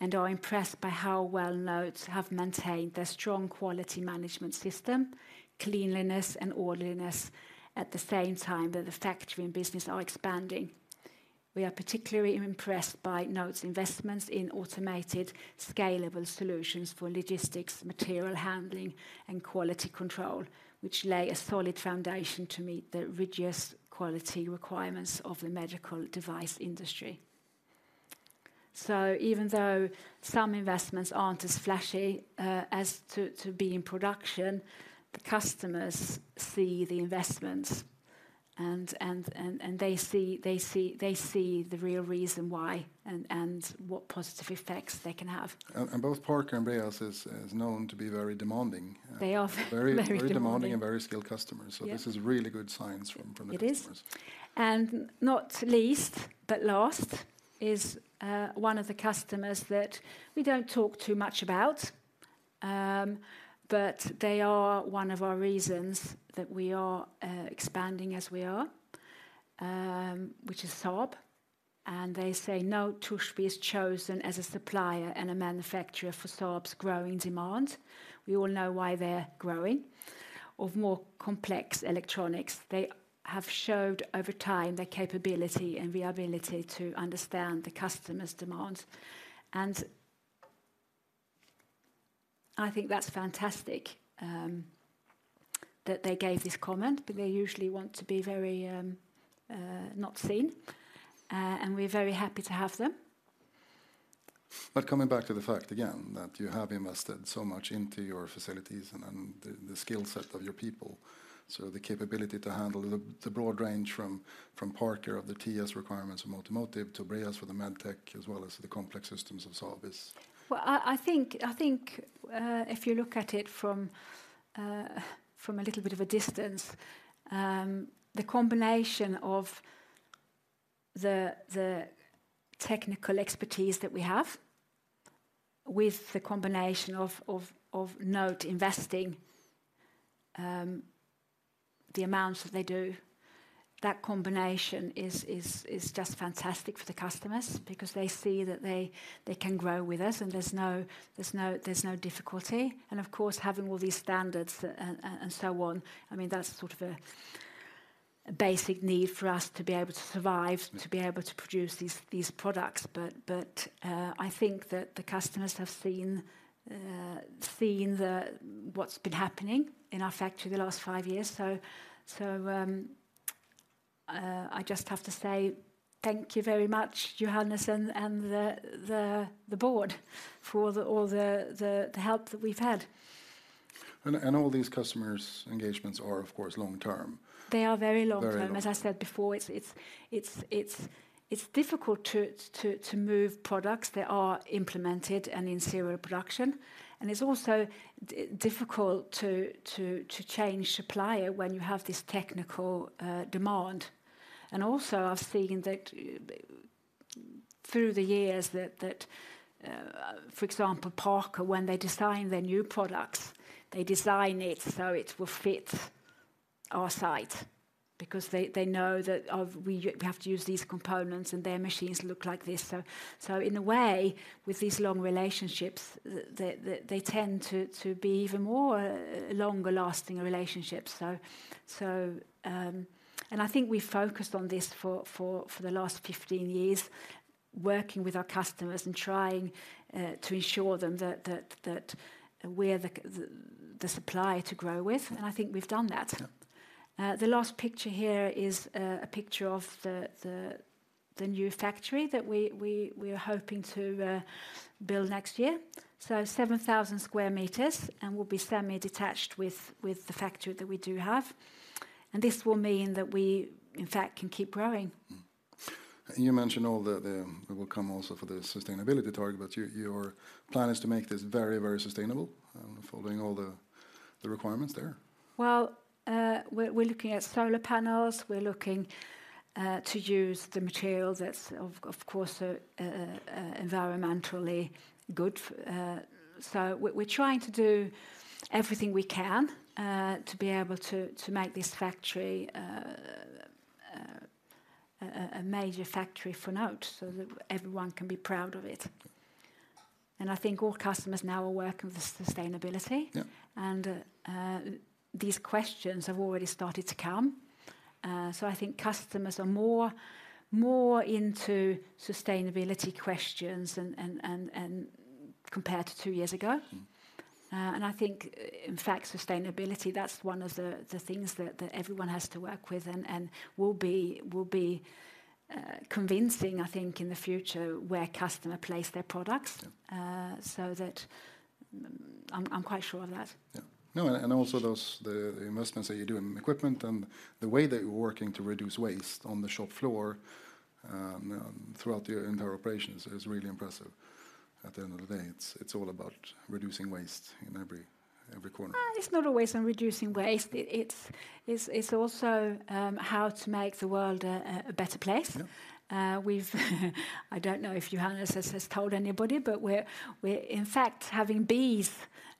and are impressed by how well NOTE have maintained their strong quality management system, cleanliness and orderliness, at the same time that the factory and business are expanding. We are particularly impressed by NOTE's investments in automated, scalable solutions for logistics, material handling, and quality control, which lay a solid foundation to meet the rigorous quality requirements of the medical device industry." So even though some investments aren't as flashy as those to be in production, the customers see the investments, and they see the real reason why and what positive effects they can have. Both Parker and Breas is known to be very demanding. They are very demanding. Very, very demanding and very skilled customers. Yeah. This is really good signs from the customers. It is. And not least, but last, is one of the customers that we don't talk too much about, but they are one of our reasons that we are expanding as we are, which is Saab. And they say, "NOTE Torsby is chosen as a supplier and a manufacturer for Saab's growing demand." We all know why they're growing. "Of more complex electronics, they have showed over time their capability and the ability to understand the customer's demands." And I think that's fantastic, that they gave this comment, but they usually want to be very not seen, and we're very happy to have them. But coming back to the fact again, that you have invested so much into your facilities and the skill set of your people, so the capability to handle the broad range from Parker of the TS requirements from automotive, to Breas for the Medtech, as well as the complex systems of Saab is- Well, I think, if you look at it from a little bit of a distance, the combination of the technical expertise that we have, with the combination of NOTE investing, the amounts that they do, that combination is just fantastic for the customers because they see that they can grow with us and there's no difficulty. And of course, having all these standards, and so on, I mean, that's sort of a basic need for us to be able to survive- Mm... to be able to produce these products. But I think that the customers have seen what's been happening in our factory the last five years. So I just have to say thank you very much, Johannes, and the board, for all the help that we've had. All these customers' engagements are, of course, long-term. They are very long term. Very long term. As I said before, it's difficult to move products that are implemented and in serial production, and it's also difficult to change supplier when you have this technical demand. Also, I've seen that through the years that, for example, Parker, when they design their new products, they design it so it will fit our site, because they know that we have to use these components, and their machines look like this. So in a way, with these long relationships, they tend to be even more longer lasting relationships. I think we focused on this for the last 15 years, working with our customers and trying to ensure them that we're the supplier to grow with, and I think we've done that. Yeah. The last picture here is a picture of the new factory that we are hoping to build next year. So 7,000 square meters, and we'll be semi-detached with the factory that we do have. And this will mean that we, in fact, can keep growing. Mm-hmm. You mentioned all the... It will come also for the sustainability target, but your plan is to make this very, very sustainable, following all the requirements there? Well, we're looking at solar panels. We're looking to use the materials that's, of course, environmentally good, so we're trying to do everything we can to be able to make this factory a major factory for Note, so that everyone can be proud of it. And I think all customers now are aware of the sustainability. Yeah. These questions have already started to come. So I think customers are more into sustainability questions and compared to two years ago. Mm-hmm. I think, in fact, sustainability, that's one of the things that everyone has to work with and will be convincing, I think, in the future, where customer place their products- Yeah. So that... I'm quite sure of that. Yeah. No, and also those, the investments that you do in equipment and the way that you're working to reduce waste on the shop floor, throughout your entire operations is really impressive. At the end of the day, it's all about reducing waste in every corner. It's not always on reducing waste. It's also how to make the world a better place. Yeah. I don't know if Johannes has told anybody, but we're in fact having bees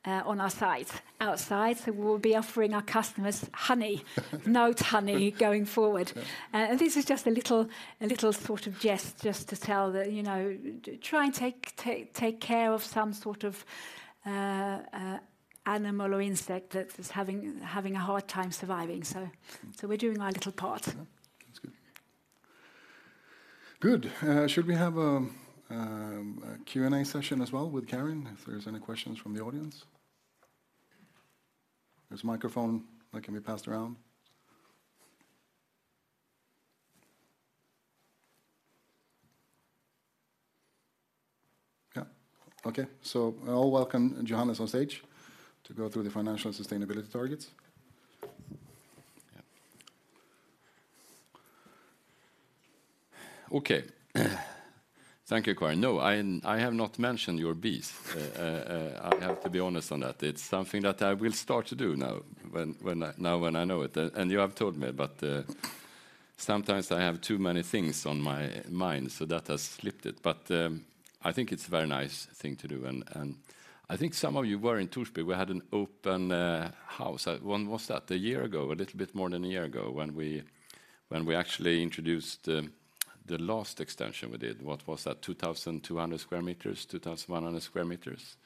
on our site outside, so we'll be offering our customers honey, NOTE honey, going forward. Yeah. And this is just a little sort of jest, just to tell that, you know, try and take care of some sort of animal or insect that is having a hard time surviving. So we're doing our little part. Yeah, that's good. Good. Should we have a Q&A session as well with Karin, if there's any questions from the audience? There's a microphone that can be passed around. Yeah. Okay. So I'll welcome Johannes on stage to go through the financial and sustainability targets. Yeah. Okay. Thank you, Karin. No, I have not mentioned your bees. I have to be honest on that. It's something that I will start to do now, when I know it, and you have told me, but sometimes I have too many things on my mind, so that has slipped it. But I think it's a very nice thing to do, and I think some of you were in Torsby. We had an open house. When was that? A year ago, a little bit more than a year ago, when we actually introduced the last extension we did. What was that? 2,200 square meters, 2,100 square meters.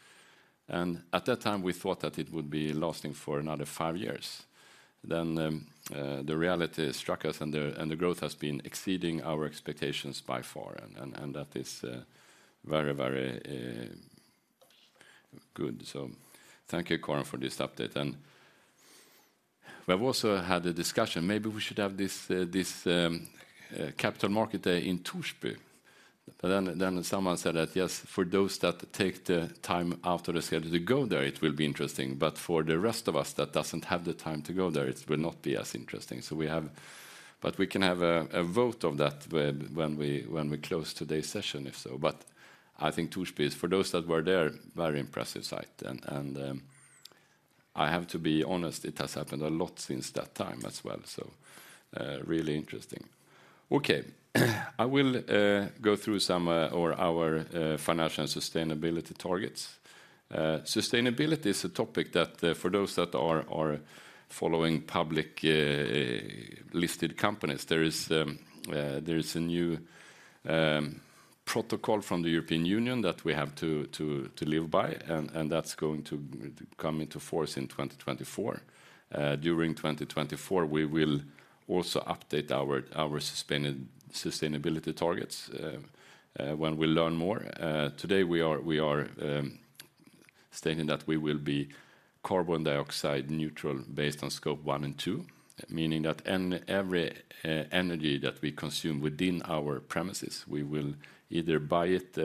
And at that time, we thought that it would be lasting for another five years. Then the reality struck us, and the growth has been exceeding our expectations by far, and that is very, very good. So thank you, Karin, for this update. We've also had a discussion. Maybe we should have this Capital Markets Day in Torsby. But then someone said that, "Yes, for those that take the time out of the schedule to go there, it will be interesting. But for the rest of us, that doesn't have the time to go there, it will not be as interesting." So we have. But we can have a vote of that when we close today's session, if so. But I think Torsby, for those that were there, very impressive site, and, and, I have to be honest, it has happened a lot since that time as well, so, really interesting. Okay, I will go through some, or our, financial and sustainability targets. Sustainability is a topic that, for those that are following public listed companies, there is a new protocol from the European Union that we have to live by, and, and that's going to come into force in 2024. During 2024, we will also update our sustainability targets when we learn more. Today, we are stating that we will be carbon dioxide neutral, based on Scope 1 and 2, meaning that any, every, energy that we consume within our premises, we will either buy it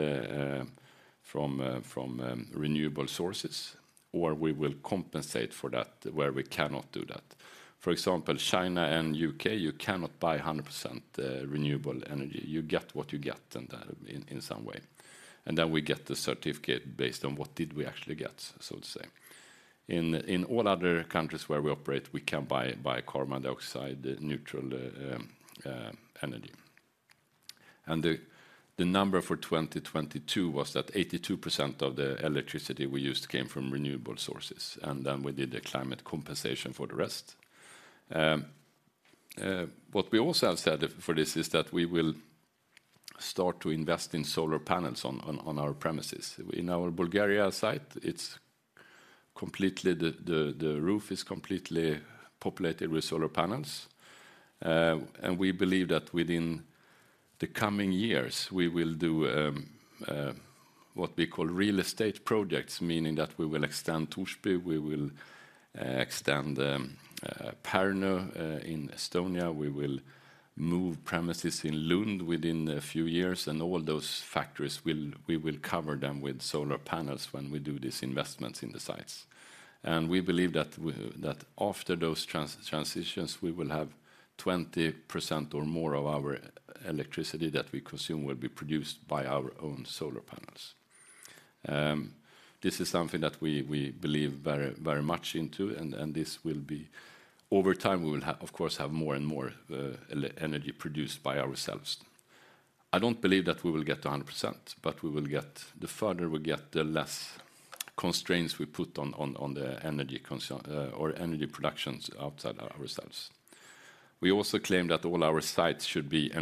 from renewable sources, or we will compensate for that, where we cannot do that. For example, China and UK, you cannot buy 100% renewable energy. You get what you get, and that, in some way. And then we get the certificate based on what did we actually get, so to say. In all other countries where we operate, we can buy carbon dioxide neutral energy. And the number for 2022 was that 82% of the electricity we used came from renewable sources, and then we did the climate compensation for the rest. What we also have said for this is that we will start to invest in solar panels on our premises. In our Bulgaria site, it's completely the roof is completely populated with solar panels. We believe that within the coming years, we will do what we call real estate projects, meaning that we will extend Torsby, we will extend Pärnu in Estonia. We will move premises in Lund within a few years, and all those factories we will cover them with solar panels when we do these investments in the sites. We believe that after those transitions, we will have 20% or more of our electricity that we consume will be produced by our own solar panels. This is something that we believe very, very much into, and this will be. Over time, we will have, of course, more and more energy produced by ourselves. I don't believe that we will get to 100%, but we will get... The further we get, the less constraints we put on the energy productions outside ourselves. We also claim that all our sites should be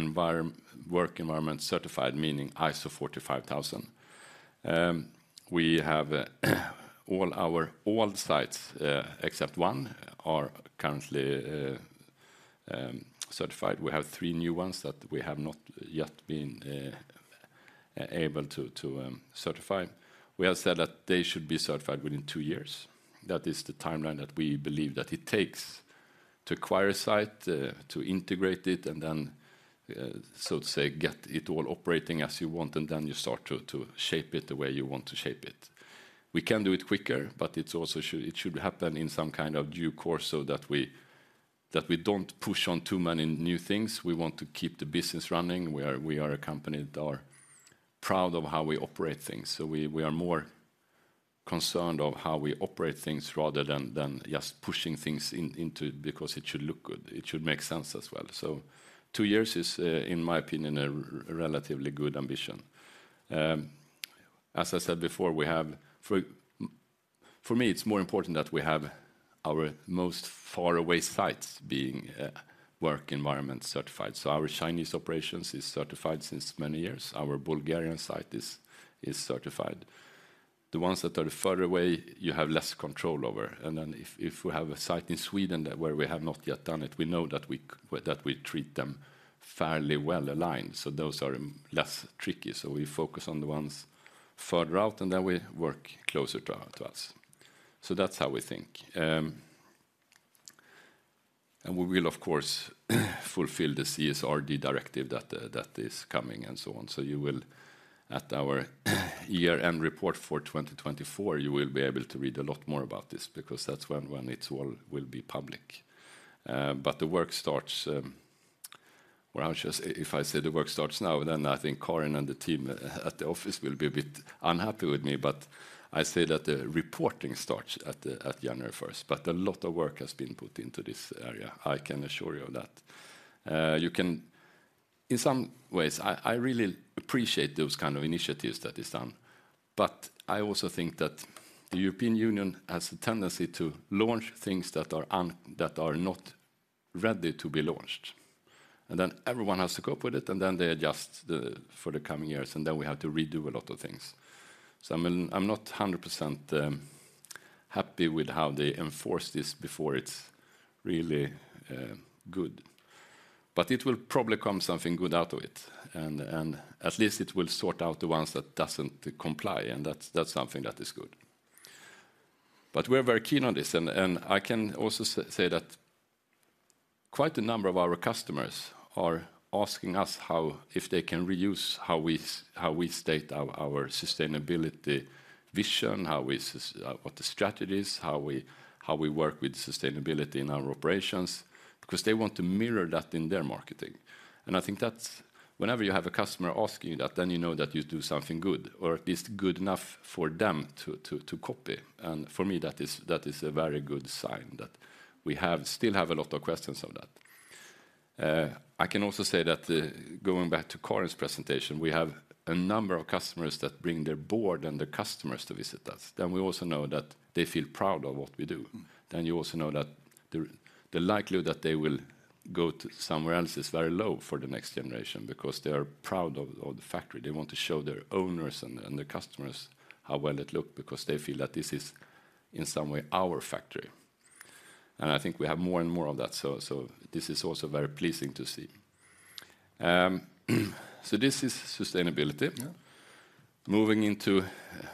work environment certified, meaning ISO 45001. We have all our old sites, except one, are currently certified. We have three new ones that we have not yet been able to certify. We have said that they should be certified within two years. That is the timeline that we believe that it takes to acquire a site, to integrate it, and then, so to say, get it all operating as you want, and then you start to, to shape it the way you want to shape it. We can do it quicker, but it should happen in some kind of due course so that we, that we don't push on too many new things. We want to keep the business running. We are, we are a company that are proud of how we operate things. So we, we are more concerned of how we operate things rather than, than just pushing things into because it should look good. It should make sense as well. So two years is, in my opinion, a relatively good ambition. As I said before, we have... For me, it's more important that we have our most faraway sites being work environment certified. So our Chinese operations is certified since many years. Our Bulgarian site is certified. The ones that are further away, you have less control over, and then if we have a site in Sweden that where we have not yet done it, we know that we that we treat them fairly well aligned, so those are less tricky. So we focus on the ones further out, and then we work closer to to us. So that's how we think. And we will, of course, fulfill the CSRD Directive that that is coming, and so on. So you will, at our year-end report for 2024, you will be able to read a lot more about this because that's when it all will be public. But the work starts. Well, I would just—if I say the work starts now, then I think Karin and the team at the office will be a bit unhappy with me, but I say that the reporting starts at January first, but a lot of work has been put into this area. I can assure you of that. In some ways, I really appreciate those kind of initiatives that is done, but I also think that the European Union has a tendency to launch things that are not ready to be launched. Then everyone has to cope with it, and then they adjust for the coming years, and then we have to redo a lot of things. So I'm not 100% happy with how they enforce this before it's really good. But it will probably come something good out of it, and, and at least it will sort out the ones that doesn't comply, and that's, that's something that is good. But we're very keen on this, and, and I can also say that quite a number of our customers are asking us how if they can reuse, how we state our, our sustainability vision, what the strategy is, how we, how we work with sustainability in our operations, because they want to mirror that in their marketing. And I think that's... Whenever you have a customer asking you that, then you know that you do something good, or at least good enough for them to, to, to copy. And for me, that is, that is a very good sign that we have, still have a lot of questions of that. I can also say that, going back to Karin's presentation, we have a number of customers that bring their board and their customers to visit us. Then we also know that they feel proud of what we do. Then you also know that the likelihood that they will go to somewhere else is very low for the next generation because they are proud of the factory. They want to show their owners and their customers how well it look because they feel that this is, in some way, our factory. And I think we have more and more of that, this is also very pleasing to see. This is sustainability. Yeah. Moving into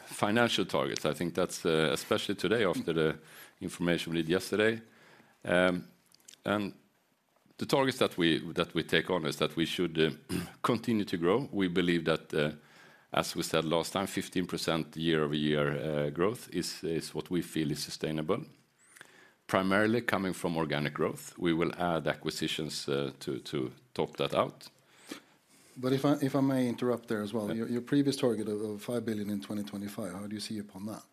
financial targets, I think that's especially today, after the information we did yesterday. The targets that we take on is that we should continue to grow. We believe that, as we said last time, 15% year-over-year growth is what we feel is sustainable, primarily coming from organic growth. We will add acquisitions to top that out. But if I may interrupt there as well. Yeah. Your previous target of 5 billion in 2025, how do you see upon that?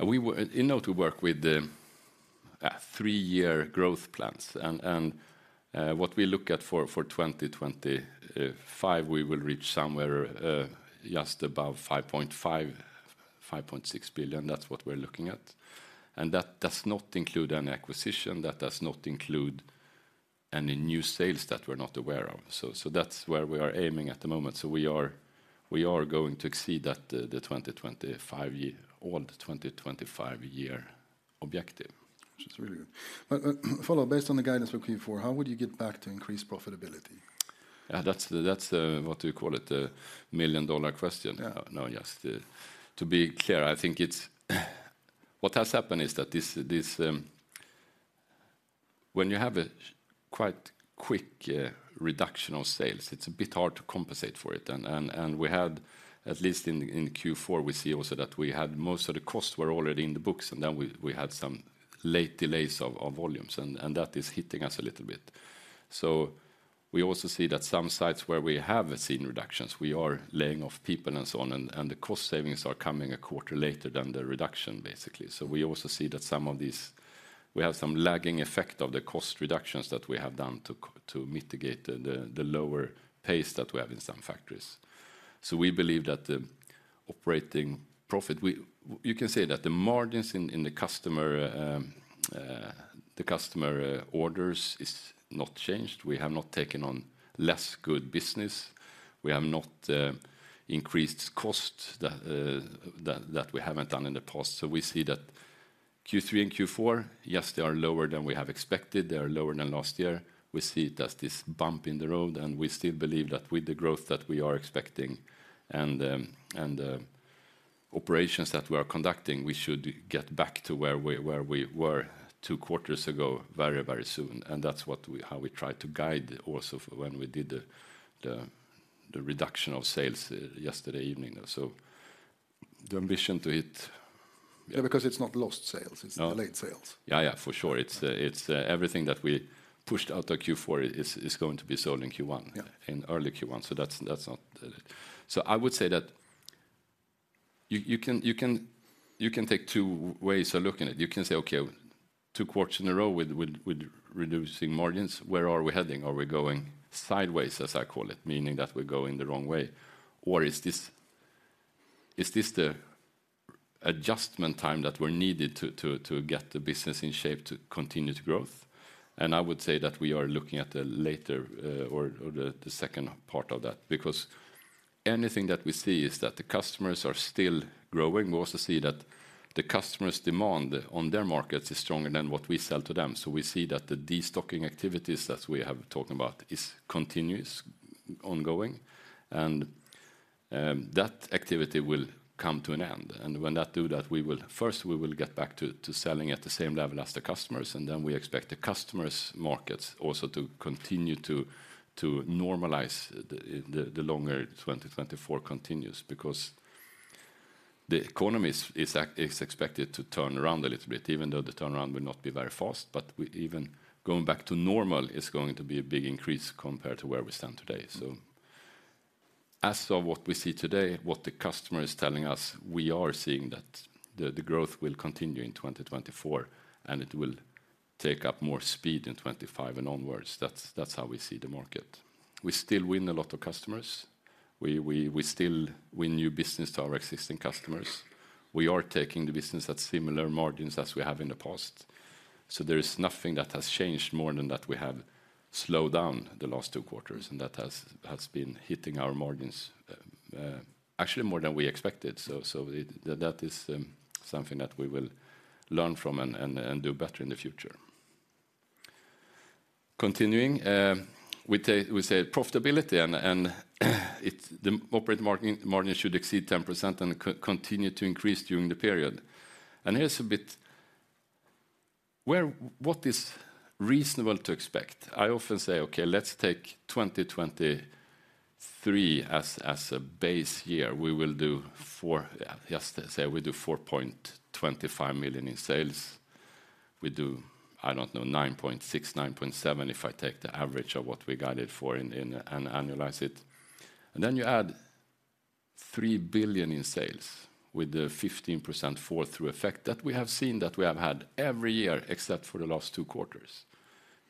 We in order to work with the three-year growth plans. What we look at for 2025, we will reach somewhere just above 5.5 billion–5.6 billion. That's what we're looking at. That does not include any acquisition, that does not include any new sales that we're not aware of. That's where we are aiming at the moment. We are going to exceed that, the 2025-year objective. Which is really good. But, follow up, based on the guidance for Q4, how would you get back to increased profitability? Yeah, that's the what do you call it? The million-dollar question. Yeah. No, just to be clear, I think it's what has happened is that this. When you have a quite quick reduction of sales, it's a bit hard to compensate for it. And we had, at least in Q4, we see also that we had most of the costs were already in the books, and then we had some late delays of volumes, and that is hitting us a little bit. So we also see that some sites where we have seen reductions, we are laying off people and so on, and the cost savings are coming a quarter later than the reduction, basically. So we also see that some of these. We have some lagging effect of the cost reductions that we have done to mitigate the lower pace that we have in some factories. So we believe that the operating profit. You can say that the margins in the customer orders is not changed. We have not taken on less good business. We have not increased costs that we haven't done in the past. So we see that Q3 and Q4, yes, they are lower than we have expected, they are lower than last year. We see it as this bump in the road, and we still believe that with the growth that we are expecting and operations that we are conducting, we should get back to where we were two quarters ago, very, very soon. And that's what we how we try to guide also for when we did the reduction of sales yesterday evening. So the ambition to hit- Yeah, because it's not lost sales- No. It's delayed sales. Yeah, yeah, for sure. It's everything that we pushed out of Q4 is going to be sold in Q1- Yeah... in early Q1, so that's not. So I would say that you can take two ways of looking at it. You can say, "Okay, two quarters in a row with reducing margins, where are we heading? Are we going sideways," as I call it, meaning that we're going the wrong way, "or is this the adjustment time that we're needed to get the business in shape to continue to growth?" And I would say that we are looking at the latter, or the second part of that, because anything that we see is that the customers are still growing. We also see that the customers' demand on their markets is stronger than what we sell to them. So we see that the destocking activities that we have talked about is continuous, ongoing, and that activity will come to an end. And when that do that, we will first, we will get back to selling at the same level as the customers, and then we expect the customers' markets also to continue to normalize the longer 2024 continues. Because the economy is expected to turn around a little bit, even though the turnaround will not be very fast, but we even going back to normal is going to be a big increase compared to where we stand today. So as of what we see today, what the customer is telling us, we are seeing that the growth will continue in 2024, and it will take up more speed in 2025 and onwards. That's how we see the market. We still win a lot of customers. We still win new business to our existing customers. We are taking the business at similar margins as we have in the past. So there is nothing that has changed more than that we have slowed down the last two quarters, and that has been hitting our margins, actually more than we expected. So that is something that we will learn from and do better in the future. Continuing, we say profitability, and it, the operating margin should exceed 10% and continue to increase during the period. And here's a bit... Where, What is reasonable to expect? I often say, "Okay, let's take 2023 as a base year." We will do four—yeah, just say we do 4.25 million in sales. We do, I don't know, 9.6, 9.7, if I take the average of what we guided for and annualize it. And then you add 3 billion in sales with the 15% fall-through effect that we have seen, that we have had every year, except for the last two quarters.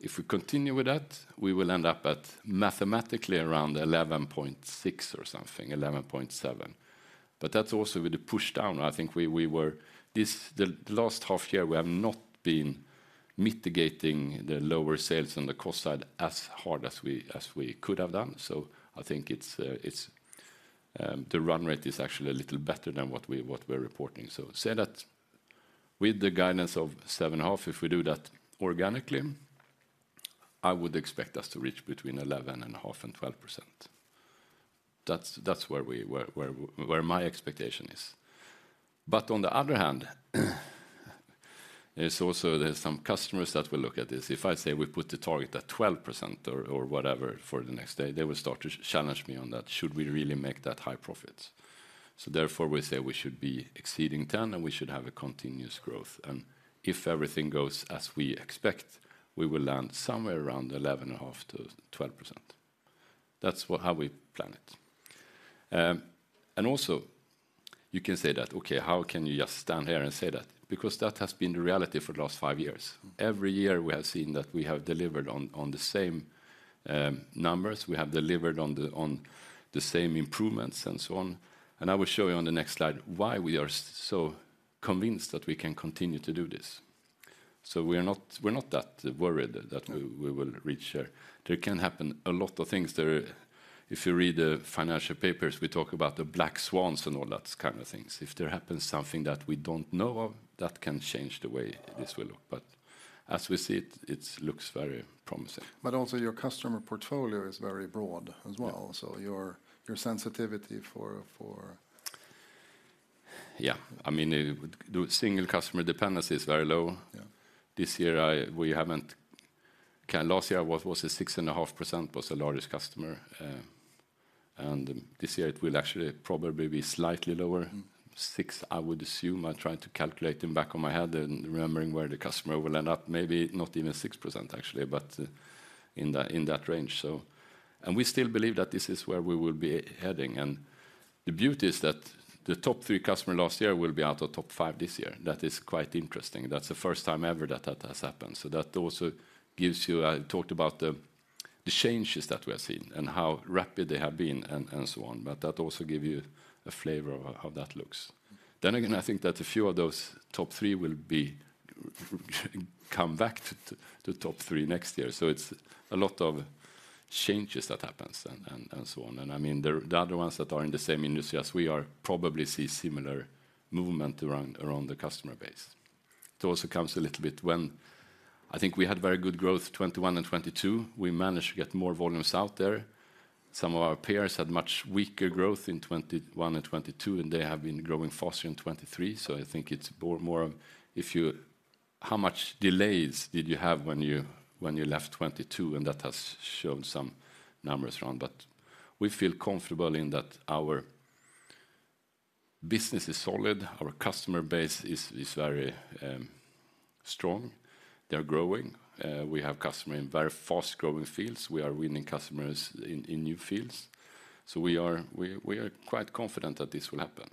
If we continue with that, we will end up at mathematically around 11.6 or something, 11.7. But that's also with the push down. I think we were. This, the last half year, we have not been mitigating the lower sales on the cost side as hard as we could have done. So I think it's the run rate is actually a little better than what we're reporting. So say that with the guidance of 7.5, if we do that organically, I would expect us to reach between 11.5% and 12%. That's where my expectation is. But on the other hand, there's some customers that will look at this. If I say we put the target at 12% or whatever, for the next day, they will start to challenge me on that. Should we really make that high profit? So therefore, we say we should be exceeding 10%, and we should have a continuous growth. And if everything goes as we expect, we will land somewhere around 11.5%–12%. That's how we plan it. And also you can say that, "Okay, how can you just stand here and say that?" Because that has been the reality for the last 5 years. Every year, we have seen that we have delivered on the same numbers, we have delivered on the same improvements, and so on. And I will show you on the next slide why we are so convinced that we can continue to do this. So we're not that worried that we will reach there. There can happen a lot of things there. If you read the financial papers, we talk about the black swans and all that kind of things. If there happens something that we don't know of, that can change the way this will look, but as we see it, it looks very promising. But also your customer portfolio is very broad as well- Yeah. so your sensitivity for Yeah. I mean, the single customer dependency is very low. Yeah. This year, we haven't... Last year, was it 6.5%, was the largest customer, and this year it will actually probably be slightly lower. Mm. 6, I would assume. I tried to calculate in back of my head and remembering where the customer will end up, maybe not even 6%, actually, but in that, in that range. So, and we still believe that this is where we will be heading, and the beauty is that the top three customer last year will be out of top five this year. That is quite interesting. That's the first time ever that that has happened. So that also gives you... I talked about the, the changes that we are seeing and how rapid they have been, and, and so on, but that also give you a flavor of how that looks. Then again, I think that a few of those top three will become back to, to, the top three next year. So it's a lot of changes that happens and, and so on. I mean, the other ones that are in the same industry as we are probably see similar movement around the customer base. It also comes a little bit when I think we had very good growth, 2021 and 2022. We managed to get more volumes out there. Some of our peers had much weaker growth in 2021 and 2022, and they have been growing faster in 2023, so I think it's more of if you how much delays did you have when you left 2022, and that has shown some numbers around. But we feel comfortable in that our business is solid, our customer base is very strong. They are growing. We have customer in very fast-growing fields. We are winning customers in new fields. So we are quite confident that this will happen.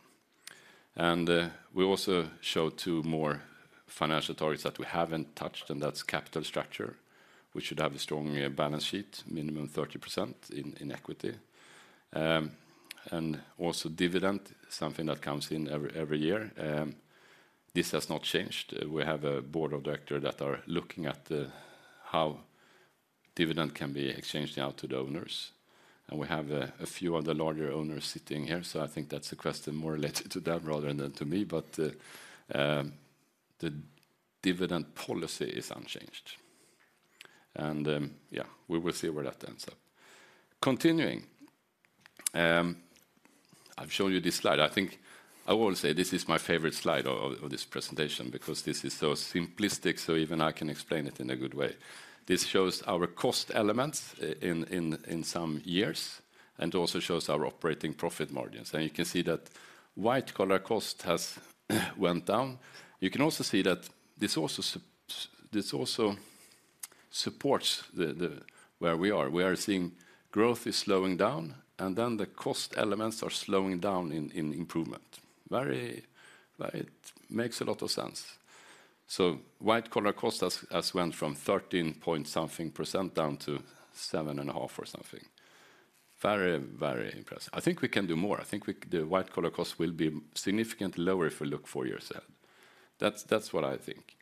And, we also show two more financial targets that we haven't touched, and that's capital structure. We should have a strong balance sheet, minimum 30% in equity. And also dividend, something that comes in every year, this has not changed. We have a board of director that are looking at how dividend can be exchanged out to the owners, and we have a few of the larger owners sitting here, so I think that's a question more related to them rather than to me. But, the dividend policy is unchanged, and, yeah, we will see where that ends up. Continuing, I've shown you this slide. I think I would say this is my favorite slide of this presentation because this is so simplistic, so even I can explain it in a good way. This shows our cost elements in some years, and also shows our operating profit margins. You can see that white collar cost has went down. You can also see that this also supports the where we are. We are seeing growth is slowing down, and then the cost elements are slowing down in improvement. Very. It makes a lot of sense. So white collar cost has went from 13-point-something % down to 7.5 or something. Very, very impressive. I think we can do more. I think we the white collar cost will be significantly lower if we look four years ahead. That's what I think.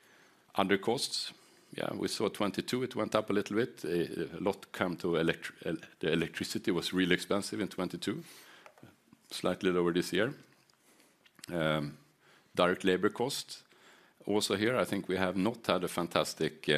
Other costs, yeah, we saw 2022, it went up a little bit. A lot come to electri- The electricity was really expensive in 2022, slightly lower this year. Direct labor costs, also here, I think we have not had a fantastic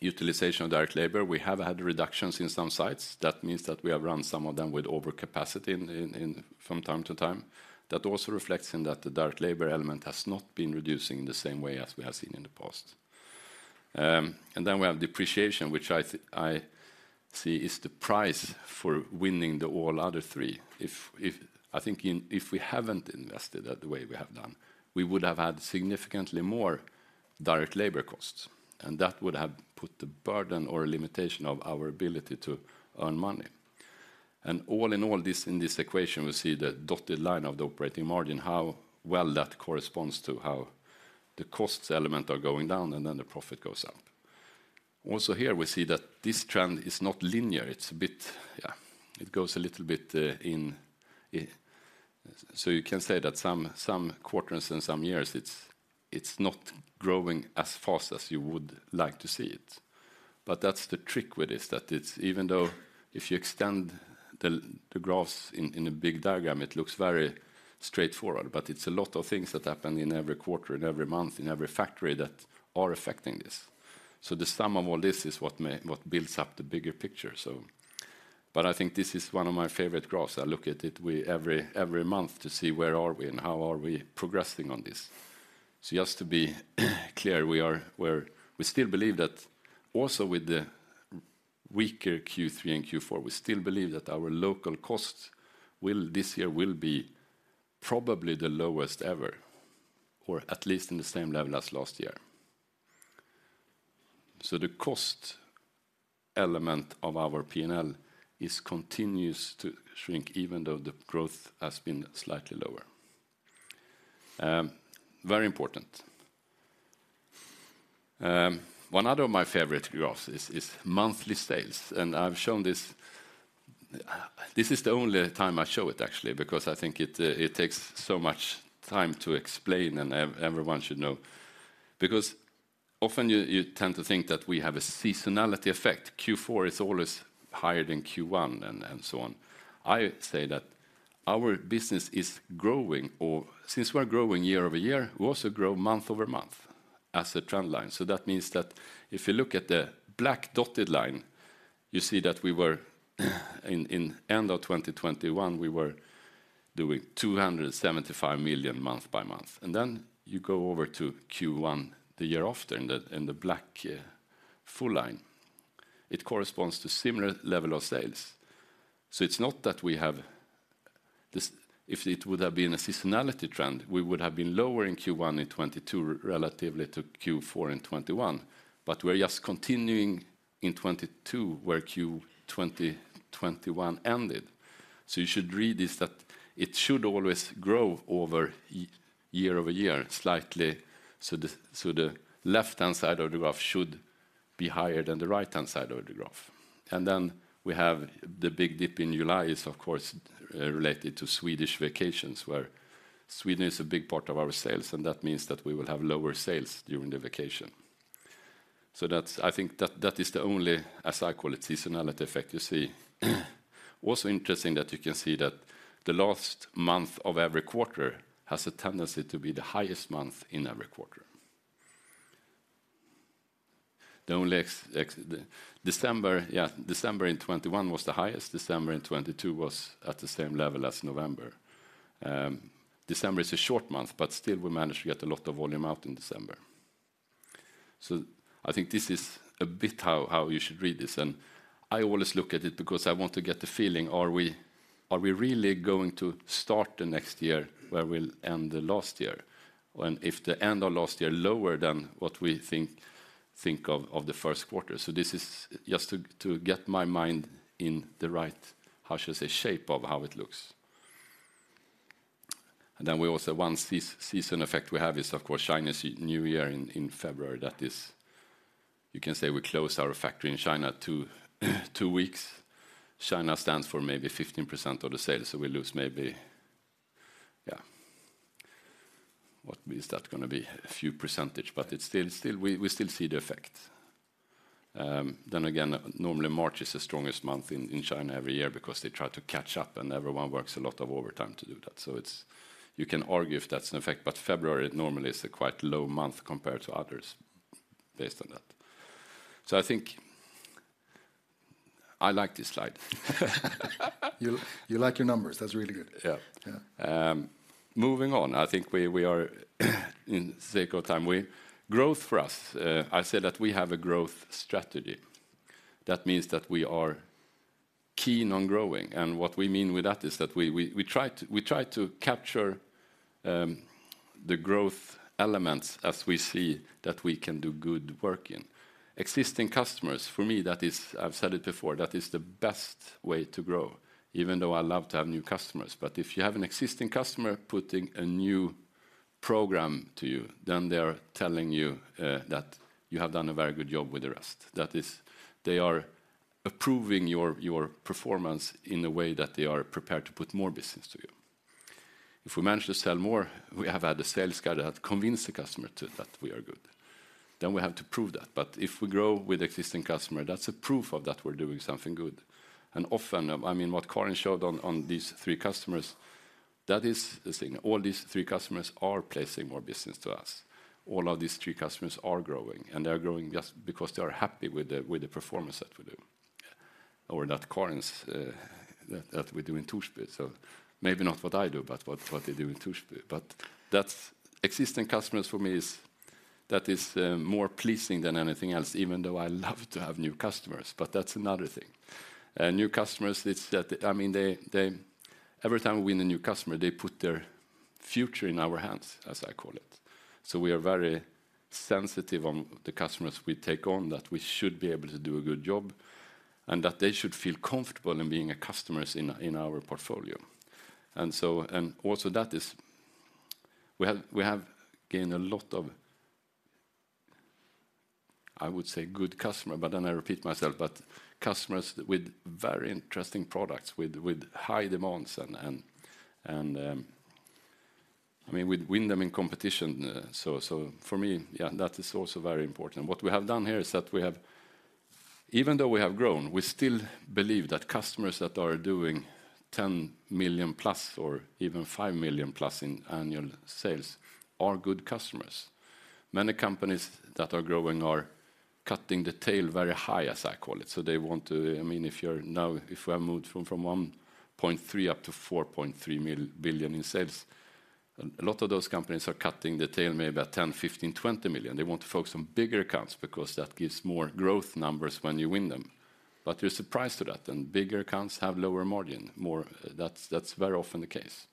utilization of direct labor. We have had reductions in some sites. That means that we have run some of them with overcapacity in from time to time. That also reflects in that the direct labor element has not been reducing the same way as we have seen in the past. And then we have depreciation, which I see is the price for winning the all other three. I think if we haven't invested the way we have done, we would have had significantly more direct labor costs, and that would have put the burden or a limitation of our ability to earn money. And all in all, this, in this equation, we see the dotted line of the operating margin, how well that corresponds to how the costs element are going down, and then the profit goes up. Also, here, we see that this trend is not linear, it's a bit... Yeah, it goes a little bit, in. So you can say that some, some quarters and some years, it's, it's not growing as fast as you would like to see it. But that's the trick with this, that it's even though if you extend the, the graphs in a big diagram, it looks very straightforward, but it's a lot of things that happen in every quarter and every month, in every factory that are affecting this. So the sum of all this is what what builds up the bigger picture, so... But I think this is one of my favorite graphs. I look at it every month to see where are we and how are we progressing on this. So just to be clear, we're still believe that also with the weaker Q3 and Q4, we still believe that our local costs this year will be probably the lowest ever, or at least in the same level as last year. So the cost element of our P&L continues to shrink, even though the growth has been slightly lower. Very important. One other of my favorite graphs is monthly sales, and I've shown this - this is the only time I show it, actually, because I think it takes so much time to explain, and everyone should know. Because often you, you tend to think that we have a seasonality effect. Q4 is always higher than Q1, and, and so on. I say that our business is growing, or since we're growing year-over-year, we also grow month-over-month as a trend line. So that means that if you look at the black dotted line, you see that we were, in, in end of 2021, we were doing 275 million month by month. And then you go over to Q1, the year after, in the, in the black, full line. It corresponds to similar level of sales. So it's not that we have this. If it would have been a seasonality trend, we would have been lower in Q1 in 2022 relatively to Q4 in 2021, but we're just continuing in 2022, where Q4 2021 ended. So you should read this, that it should always grow over year-over-year, slightly, so the left-hand side of the graph should be higher than the right-hand side of the graph. And then we have the big dip in July is, of course, related to Swedish vacations, where Sweden is a big part of our sales, and that means that we will have lower sales during the vacation. So that's—I think that, that is the only, as I call it, seasonality effect you see. What's interesting that you can see that the last month of every quarter has a tendency to be the highest month in every quarter. The only December, yeah, December in 2021 was the highest. December in 2022 was at the same level as November. December is a short month, but still we managed to get a lot of volume out in December. So I think this is a bit how you should read this, and I always look at it because I want to get the feeling, are we really going to start the next year where we'll end the last year? When if the end of last year lower than what we think of the first quarter. So this is just to get my mind in the right, how should I say, shape of how it looks. And then we also, one seasonal effect we have is, of course, Chinese New Year in February. That is, you can say we close our factory in China two weeks. China stands for maybe 15% of the sales, so we lose maybe, yeah, what is that gonna be? A few percentage, but it's still, we still see the effect. Then again, normally, March is the strongest month in China every year because they try to catch up, and everyone works a lot of overtime to do that. So it's, you can argue if that's an effect, but February, it normally is a quite low month compared to others, based on that. So I think I like this slide. You, you like your numbers. That's really good. Yeah. Yeah. Moving on. I think we are, for the sake of time, Growth for us, I said that we have a growth strategy. That means that we are keen on growing, and what we mean with that is that we try to capture the growth elements as we see that we can do good work in. Existing customers, for me, that is, I've said it before, that is the best way to grow, even though I love to have new customers. But if you have an existing customer putting a new program to you, then they are telling you that you have done a very good job with the rest. That is, they are approving your performance in a way that they are prepared to put more business to you. If we manage to sell more, we have had a sales guy that convinced the customer to, that we are good. Then we have to prove that, but if we grow with existing customer, that's a proof of that we're doing something good. And often, I mean, what Karin showed on, on these three customers, that is the thing. All these three customers are placing more business to us. All of these three customers are growing, and they are growing just because they are happy with the, with the performance that we do. Or not Karin's, that, that we do in Torsby, so maybe not what I do, but what, what they do in Torsby. But that's existing customers for me is, that is, more pleasing than anything else, even though I love to have new customers, but that's another thing. New customers, it's that, I mean, they every time we win a new customer, they put their future in our hands, as I call it. So we are very sensitive on the customers we take on, that we should be able to do a good job, and that they should feel comfortable in being a customer in our, in our portfolio. And so, and also that is... We have gained a lot of, I would say, good customers, but then I repeat myself, but customers with very interesting products, with high demands and, I mean, we'd win them in competition, so for me, yeah, that is also very important. What we have done here is that we have even though we have grown, we still believe that customers that are doing 10 million+ or even 5 million+ in annual sales are good customers. Many companies that are growing are cutting the tail very high, as I call it. So they want to. I mean, if you're now if we have moved from 1.3 billion up to 4.3 billion in sales, a lot of those companies are cutting the tail maybe about 10, 15, 20 million. They want to focus on bigger accounts because that gives more growth numbers when you win them. But you're surprised to that, and bigger accounts have lower margin, more, that's, that's very often the case.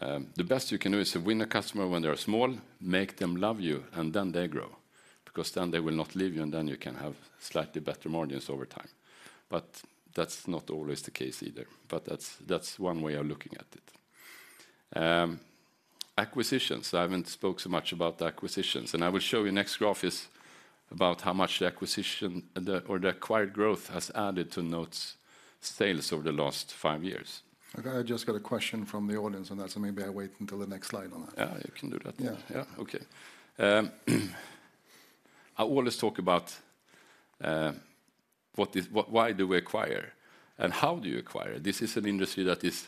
The best you can do is to win a customer when they are small, make them love you, and then they grow, because then they will not leave you, and then you can have slightly better margins over time. But that's not always the case either, but that's, that's one way of looking at it. Acquisitions, I haven't spoke so much about the acquisitions, and I will show you next graph is about how much the acquisition, or the acquired growth has added to NOTE's sales over the last five years. Okay, I just got a question from the audience on that, so maybe I wait until the next slide on that. Yeah, you can do that. Yeah. Yeah. Okay. I always talk about what is, why do we acquire? And how do you acquire? This is an industry. There is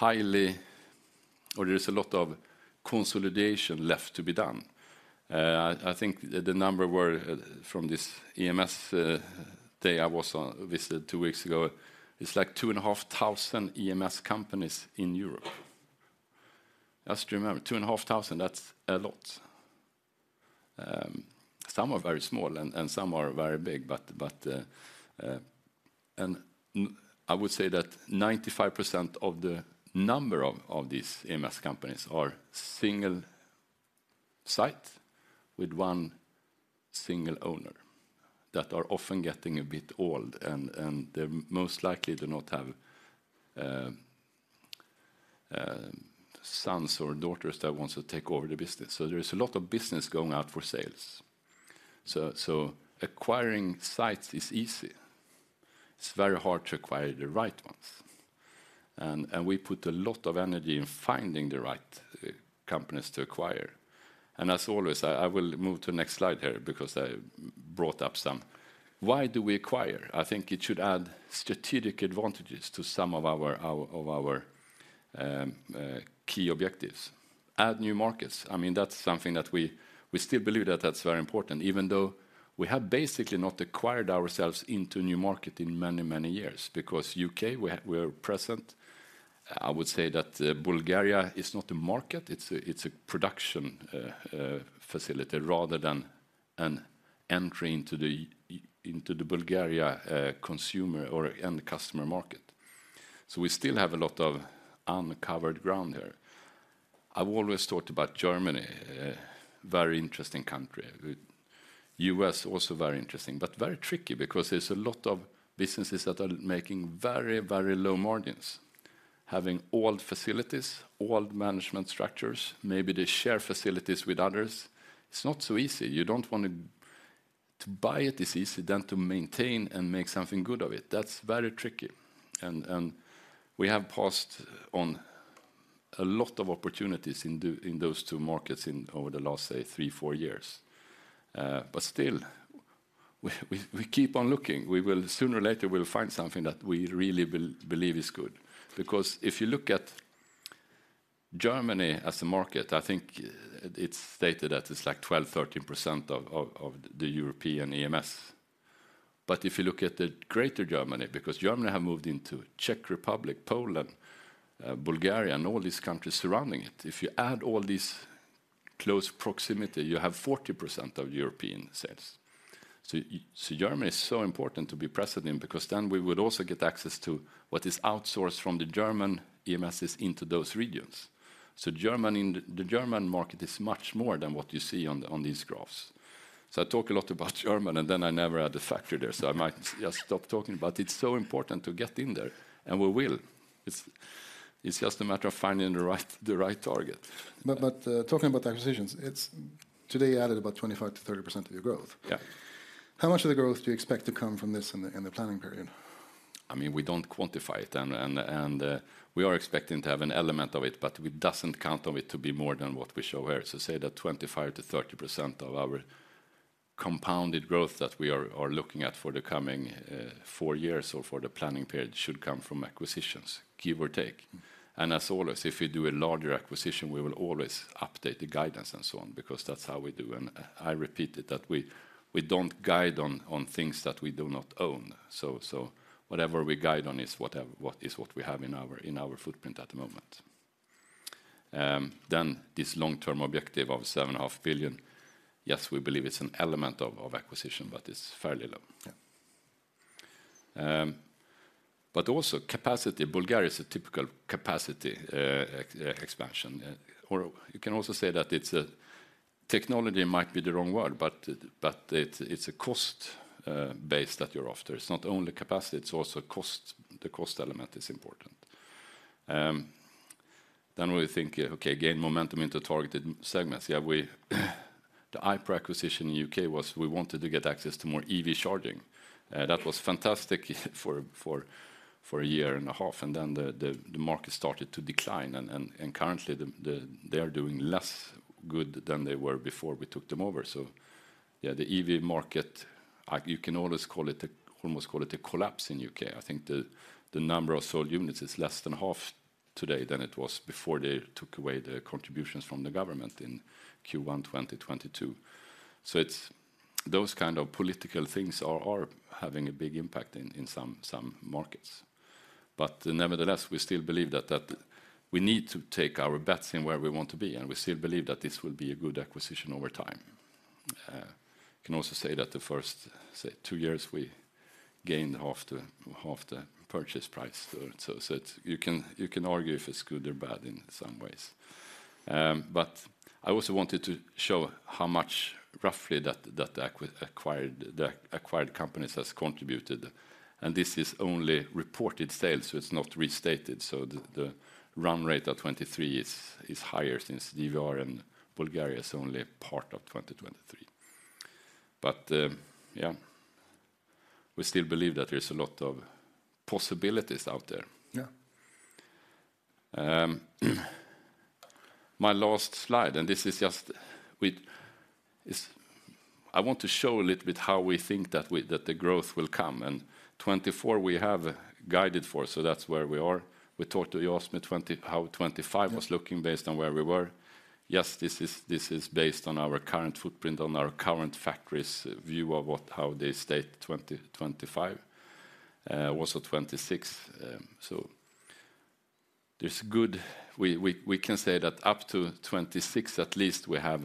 a lot of consolidation left to be done. I think the number from this EMS day I visited two weeks ago, it's like 2,500 EMS companies in Europe. Just remember, 2,500, that's a lot. Some are very small, and some are very big, but. And I would say that 95% of the number of these EMS companies are single site with one single owner, that are often getting a bit old, and they most likely do not have sons or daughters that wants to take over the business. So there is a lot of business going out for sales. So, so acquiring sites is easy. It's very hard to acquire the right ones, and, and we put a lot of energy in finding the right, companies to acquire. And as always, I, I will move to the next slide here because I brought up some. Why do we acquire? I think it should add strategic advantages to some of our, our, of our, key objectives. Add new markets, I mean, that's something that we, we still believe that that's very important, even though we have basically not acquired ourselves into a new market in many, many years, because UK, we are, we are present. I would say that Bulgaria is not a market, it's a production facility rather than an entry into the Bulgaria consumer or end customer market. So we still have a lot of uncovered ground there. I've always thought about Germany, a very interesting country. With U.S., also very interesting, but very tricky because there's a lot of businesses that are making very, very low margins, having old facilities, old management structures, maybe they share facilities with others. It's not so easy. You don't want to. To buy it is easy, then to maintain and make something good of it, that's very tricky. And we have passed on a lot of opportunities in those two markets over the last, say, three, four years. But still, we keep on looking. We will, sooner or later, we'll find something that we really believe is good. Because if you look at Germany as a market, I think it's stated that it's like 12-13% of the European EMS. But if you look at the greater Germany, because Germany have moved into Czech Republic, Poland, Bulgaria, and all these countries surrounding it, if you add all these close proximity, you have 40% of European sales. So Germany is so important to be present in, because then we would also get access to what is outsourced from the German EMSs into those regions. So Germany, the German market is much more than what you see on these graphs. I talk a lot about Germany, and then I never had a factory there, so I might just stop talking, but it's so important to get in there, and we will. It's, it's just a matter of finding the right, the right target. But, talking about acquisitions, it's today added about 25%-30% of your growth. Yeah. How much of the growth do you expect to come from this in the planning period? I mean, we don't quantify it, and we are expecting to have an element of it, but we doesn't count on it to be more than what we show here. So say that 25%-30% of our compounded growth that we are looking at for the coming four years or for the planning period should come from acquisitions, give or take. And as always, if we do a larger acquisition, we will always update the guidance and so on, because that's how we do. And I repeat it, that we don't guide on things that we do not own. So whatever we guide on is what we have in our footprint at the moment. This long-term objective of 7.5 billion, yes, we believe it's an element of acquisition, but it's fairly low. Yeah. But also capacity, Bulgaria is a typical capacity expansion. Or you can also say that it's a— technology might be the wrong word, but it, it's a cost base that you're after. It's not only capacity, it's also cost. The cost element is important. Then we think, okay, gain momentum into targeted segments. Yeah, we, the iPRO acquisition in U.K. was we wanted to get access to more EV charging. That was fantastic for a year and a half, and then the market started to decline, and currently, they are doing less good than they were before we took them over. So yeah, the EV market, you can always call it a, almost call it a collapse in U.K. I think the number of sold units is less than half today than it was before they took away the contributions from the government in Q1 2022. So it's those kind of political things are having a big impact in some markets. But nevertheless, we still believe that we need to take our bets in where we want to be, and we still believe that this will be a good acquisition over time. I can also say that the first, say, two years, we gained half the purchase price. So you can argue if it's good or bad in some ways. But I also wanted to show how much roughly that the acquired companies has contributed, and this is only reported sales, so it's not restated. So the run rate of 2023 is higher since DVR and Bulgaria is only part of 2023. But, yeah, we still believe that there's a lot of possibilities out there. Yeah. My last slide, and this is just with... I want to show a little bit how we think that the growth will come, and 2024, we have guided for, so that's where we are. We talked to you. You asked me how 2025- Yeah... was looking based on where we were. Yes, this is, this is based on our current footprint, on our current factories view of what, how they state 2025, also 2026. So we can say that up to 2026, at least, we have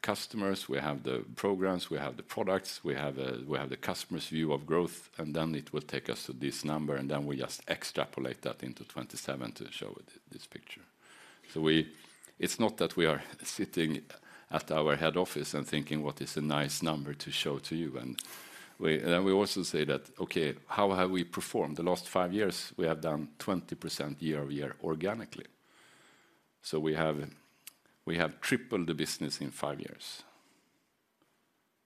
the customers, we have the programs, we have the products, we have the customer's view of growth, and then it will take us to this number, and then we just extrapolate that into 2027 to show this picture. So it's not that we are sitting at our head office and thinking, "What is a nice number to show to you?" And then we also say that, "Okay, how have we performed?" The last five years, we have done 20% year-over-year organically. So we have tripled the business in 5 years.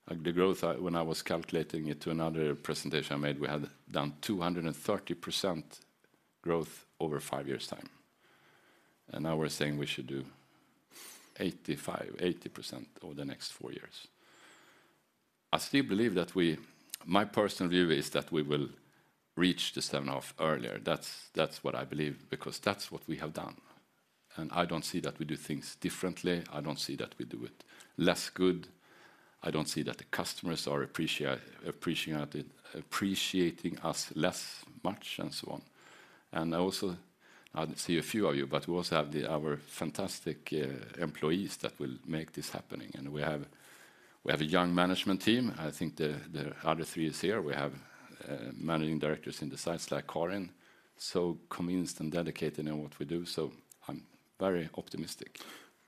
Like, the growth, when I was calculating it to another presentation I made, we had done 230% growth over 5 years' time. And now we're saying we should do 85, 80% over the next 4 years. I still believe that we... My personal view is that we will reach the 7.5 earlier. That's, that's what I believe, because that's what we have done, and I don't see that we do things differently. I don't see that we do it less good. I don't see that the customers are appreciating us less, much, and so on. And I also, I see a few of you, but we also have the, our fantastic employees that will make this happening, and we have a young management team. I think the other three is here. We have managing directors in the sites like Karin, so convinced and dedicated in what we do, so I'm very optimistic.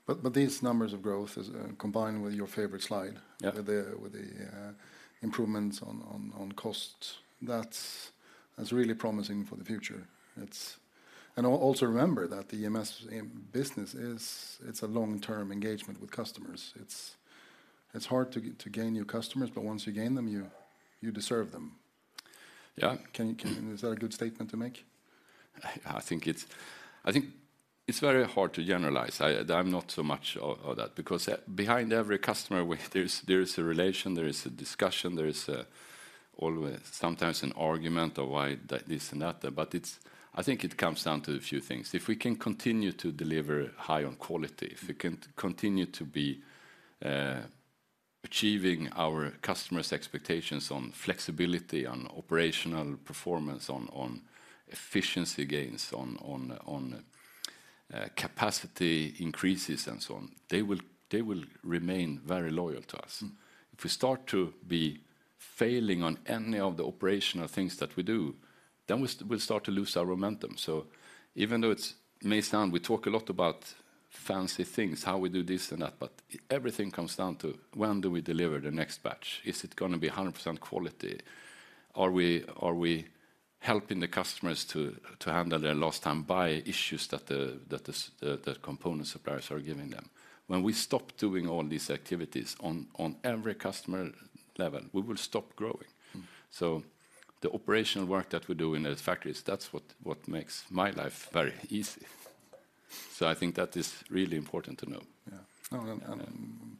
But these numbers of growth is combined with your favorite slide- Yeah... with the improvements on cost. That's really promising for the future. It's... And also remember that the EMS business is a long-term engagement with customers. It's hard to gain new customers, but once you gain them, you deserve them. Yeah. Can, is that a good statement to make? I think it's very hard to generalize. I'm not so much of that, because behind every customer, there's a relation, there is a discussion, there is always sometimes an argument of why this and that. But it's. I think it comes down to a few things. If we can continue to deliver high on quality, if we can continue to be achieving our customers' expectations on flexibility, on operational performance, on capacity increases, and so on, they will remain very loyal to us. Mm. If we start to be failing on any of the operational things that we do, then we'll start to lose our momentum. So even though it may sound, we talk a lot about fancy things, how we do this and that, but everything comes down to: When do we deliver the next batch? Is it gonna be 100% quality? Are we, are we helping the customers to, to handle their last time buy issues that the component suppliers are giving them? When we stop doing all these activities on every customer level, we will stop growing. Mm. The operational work that we do in the factories, that's what makes my life very easy. I think that is really important to know. Yeah. No, and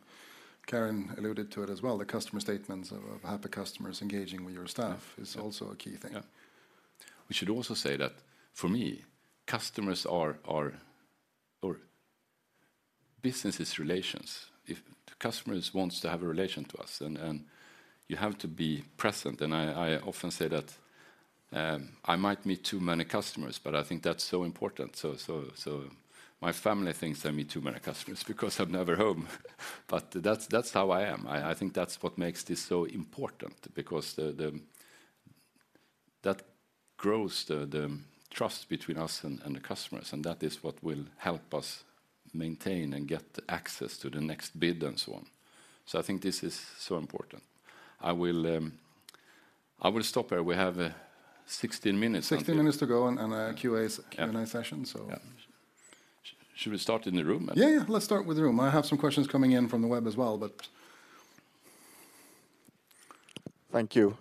Karin alluded to it as well, the customer statements of happy customers engaging with your staff- Yeah... is also a key thing. Yeah. We should also say that, for me, customers are... Or business is relations. If the customers wants to have a relation to us, and you have to be present, and I often say that I might meet too many customers, but I think that's so important. So my family thinks I meet too many customers because I'm never home. But that's how I am. I think that's what makes this so important because that grows the trust between us and the customers, and that is what will help us maintain and get access to the next bid and so on. So I think this is so important. I will stop here. We have 16 minutes. 16 minutes to go, and a Q&A session, so- Yeah. Should we start in the room? Yeah, yeah. Let's start with the room. I have some questions coming in from the web as well, but... Thank you.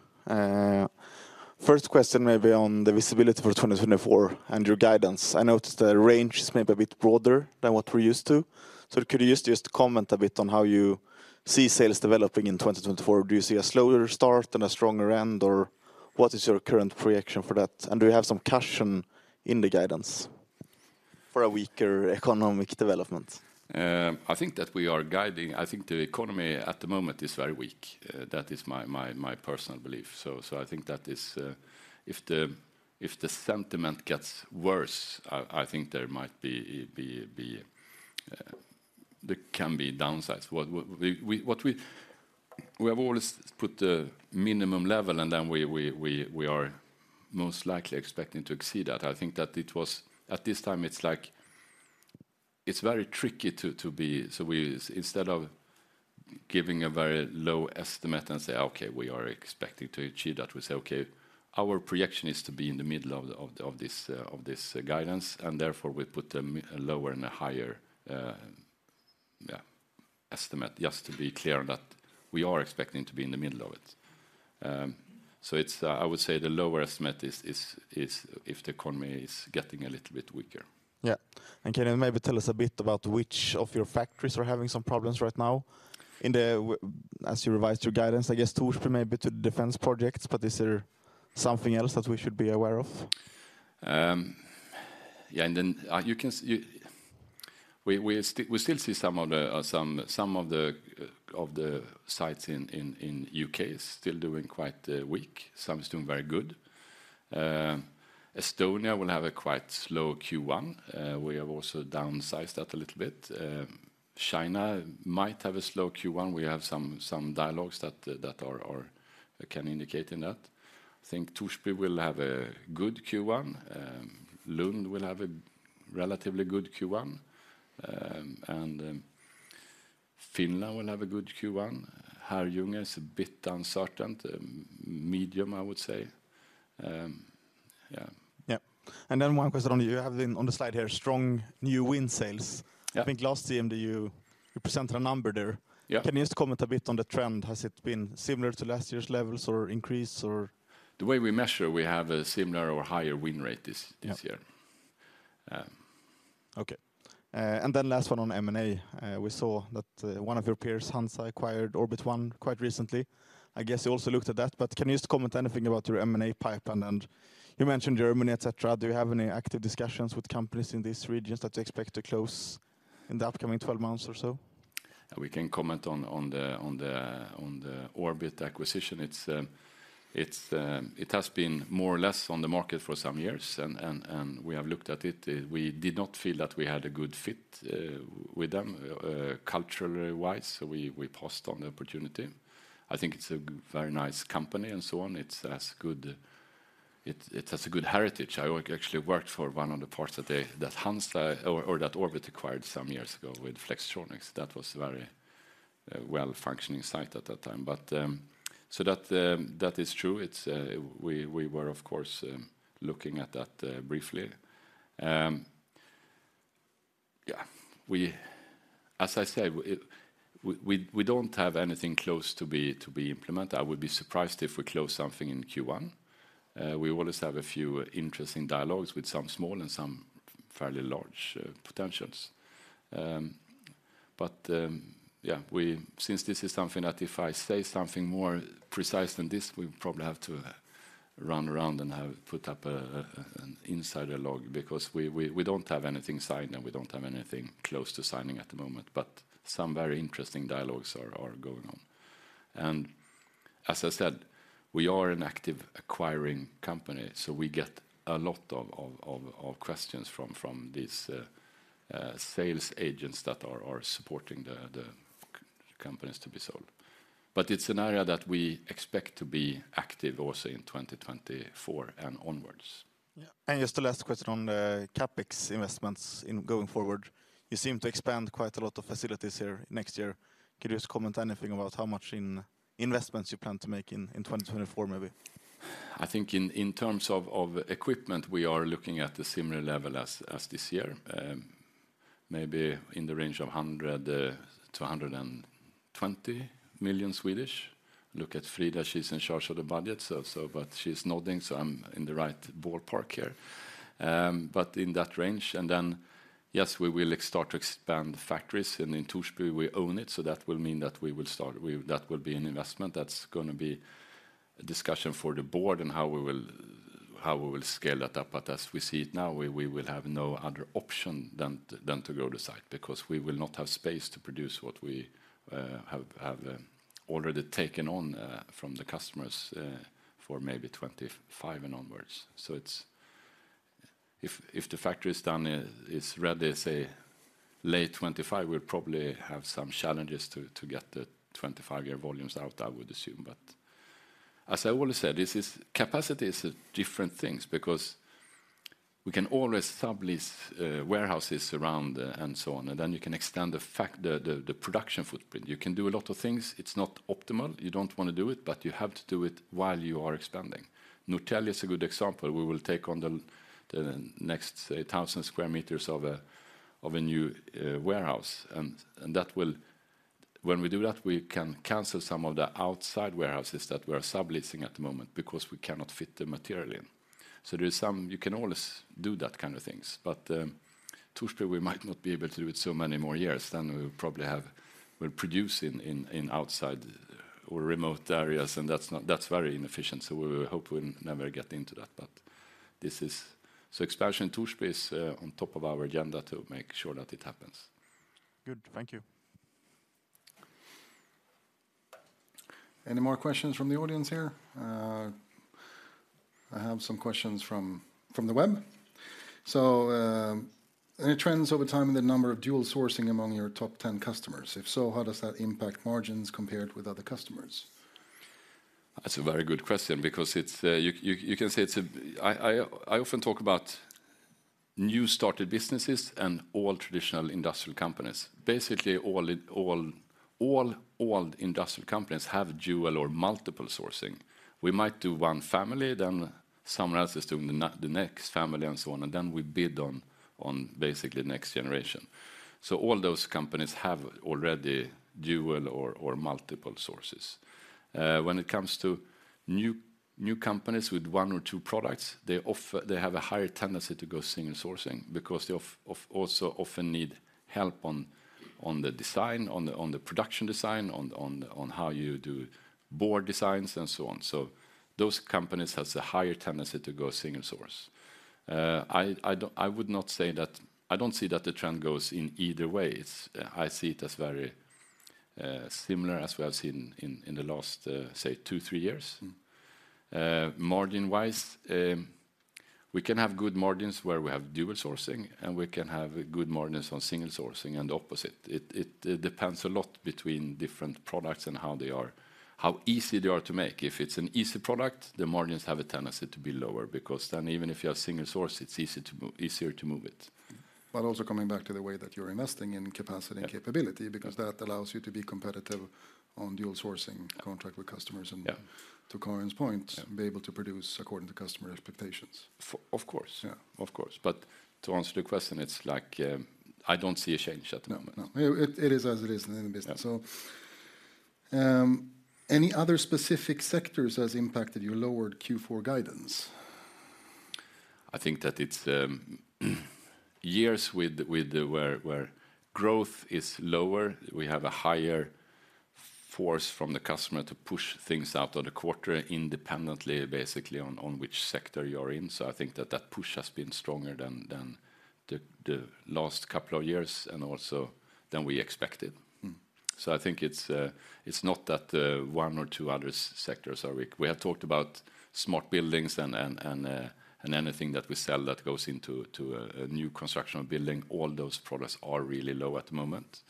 First question may be on the visibility for 2024 and your guidance. I noticed the range is maybe a bit broader than what we're used to. So could you just comment a bit on how you see sales developing in 2024? Do you see a slower start than a stronger end, or what is your current projection for that? And do you have some caution in the guidance for a weaker economic development? I think that we are guiding. I think the economy at the moment is very weak. That is my personal belief. I think that is, if the sentiment gets worse, I think there might be there can be downsides. What we have always put the minimum level, and then we are most likely expecting to exceed that. I think that it was, at this time, it's like, it's very tricky to be, so we instead of giving a very low estimate and say, "Okay, we are expecting to achieve that," we say, "Okay, our projection is to be in the middle of this guidance," and therefore we put a lower and a higher, yeah, estimate, just to be clear that we are expecting to be in the middle of it. So it's, I would say the lower estimate is if the economy is getting a little bit weaker. Yeah. And can you maybe tell us a bit about which of your factories are having some problems right now in the, as you revised your guidance, I guess, Torsby may be to Defense projects, but is there something else that we should be aware of? Yeah, and then we still see some of the sites in U.K. still doing quite weak. Some is doing very good. Estonia will have a quite slow Q1. We have also downsized that a little bit. China might have a slow Q1. We have some dialogues that can indicate in that. I think Torsby will have a good Q1. Lund will have a relatively good Q1. And Finland will have a good Q1. Herrljunga is a bit uncertain, medium, I would say. Yeah. Yeah. Then one question on, you have been on the slide here, strong new win sales. Yeah. I think last CMD, you presented a number there. Yeah. Can you just comment a bit on the trend? Has it been similar to last year's levels or increased, or? The way we measure, we have a similar or higher win rate this- Yeah... this year. Okay. And then last one on M&A. We saw that one of your peers, HANZA, acquired Orbit One quite recently. I guess you also looked at that, but can you just comment anything about your M&A pipeline? And you mentioned Germany, et cetera. Do you have any active discussions with companies in these regions that you expect to close in the upcoming 12 months or so? We can comment on the Orbit acquisition. It has been more or less on the market for some years, and we have looked at it. We did not feel that we had a good fit with them culturally wise, so we passed on the opportunity. I think it's a very nice company and so on. It's as good. It has a good heritage. I actually worked for one of the parts that they, that HANZA or that Orbit acquired some years ago with Flextronics. That was a very well-functioning site at that time. But so that is true. We were, of course, looking at that briefly. Yeah, we... As I said, we don't have anything close to be implemented. I would be surprised if we close something in Q1. We always have a few interesting dialogues with some small and some fairly large potentials. Yeah, since this is something that if I say something more precise than this, we probably have to run around and have put up an insider log because we don't have anything signed, and we don't have anything close to signing at the moment. Some very interesting dialogues are going on. And as I said, we are an active acquiring company, so we get a lot of questions from these sales agents that are supporting the companies to be sold. It's an area that we expect to be active also in 2024 and onwards. Yeah. Just the last question on the CapEx investments in going forward, you seem to expand quite a lot of facilities here next year. Could you just comment anything about how much in investments you plan to make in 2024, maybe? I think in terms of equipment, we are looking at a similar level as this year, maybe in the range of 100 million-120 million. Look at Frida, she's in charge of the budget, so but she's nodding, so I'm in the right ballpark here. But in that range, and then, yes, we will start to expand factories, and in Torsby, we own it, so that will mean that we will start. We, that will be an investment. That's gonna be a discussion for the board and how we will, how we will scale that up. But as we see it now, we will have no other option than to grow the site because we will not have space to produce what we have already taken on from the customers for maybe 2025 and onwards. So it's... If the factory is done, is ready, say, late 2025, we'll probably have some challenges to get the 2025 year volumes out, I would assume. But as I always say, this is... Capacity is different things because we can always sub-lease warehouses around, and so on, and then you can extend the factory, the production footprint. You can do a lot of things. It's not optimal. You don't want to do it, but you have to do it while you are expanding. Norrtälje is a good example. We will take on the next, say, 1,000 square meters of a new warehouse, and that will—when we do that, we can cancel some of the outside warehouses that we are sub-leasing at the moment because we cannot fit the material in. So there is some—you can always do that kind of things. But Torsby, we might not be able to do it so many more years, then we'll probably have, we're producing in outside or remote areas, and that's not, that's very inefficient, so we hope we'll never get into that. But this is... So expansion in Torsby is on top of our agenda to make sure that it happens. Good. Thank you.... Any more questions from the audience here? I have some questions from the web. So, any trends over time in the number of dual sourcing among your top 10 customers? If so, how does that impact margins compared with other customers? That's a very good question because it's. You can say it's a—I often talk about new started businesses and all traditional industrial companies. Basically, all industrial companies have dual or multiple sourcing. We might do one family, then someone else is doing the next family, and so on, and then we bid on basically next generation. So all those companies have already dual or multiple sources. When it comes to new companies with one or two products, they have a higher tendency to go single sourcing because they also often need help on the design, on the production design, on how you do board designs and so on. So those companies has a higher tendency to go single source. I would not say that. I don't see that the trend goes in either way. It's very similar as we have seen in the last, say, two, three years. Margin-wise, we can have good margins where we have dual sourcing, and we can have good margins on single sourcing and the opposite. It depends a lot between different products and how easy they are to make. If it's an easy product, the margins have a tendency to be lower, because then even if you have single source, it's easier to move it. But also coming back to the way that you're investing in capacity and capability- Yeah... because that allows you to be competitive on dual sourcing contract with customers, and- Yeah... to Karin’s point- Yeah - be able to produce according to customer expectations. Of course. Yeah. Of course. But to answer the question, it's like, I don't see a change at the moment. No, it is as it is in business. Yeah. Any other specific sectors has impacted your lowered Q4 guidance? I think that it's years with where growth is lower, we have a higher force from the customer to push things out of the quarter independently, basically on which sector you are in. So I think that that push has been stronger than the last couple of years and also than we expected. Mm. I think it's not that one or two other sectors are weak. We have talked about smart buildings and anything that we sell that goes into a new construction of building, all those products are really low at the moment.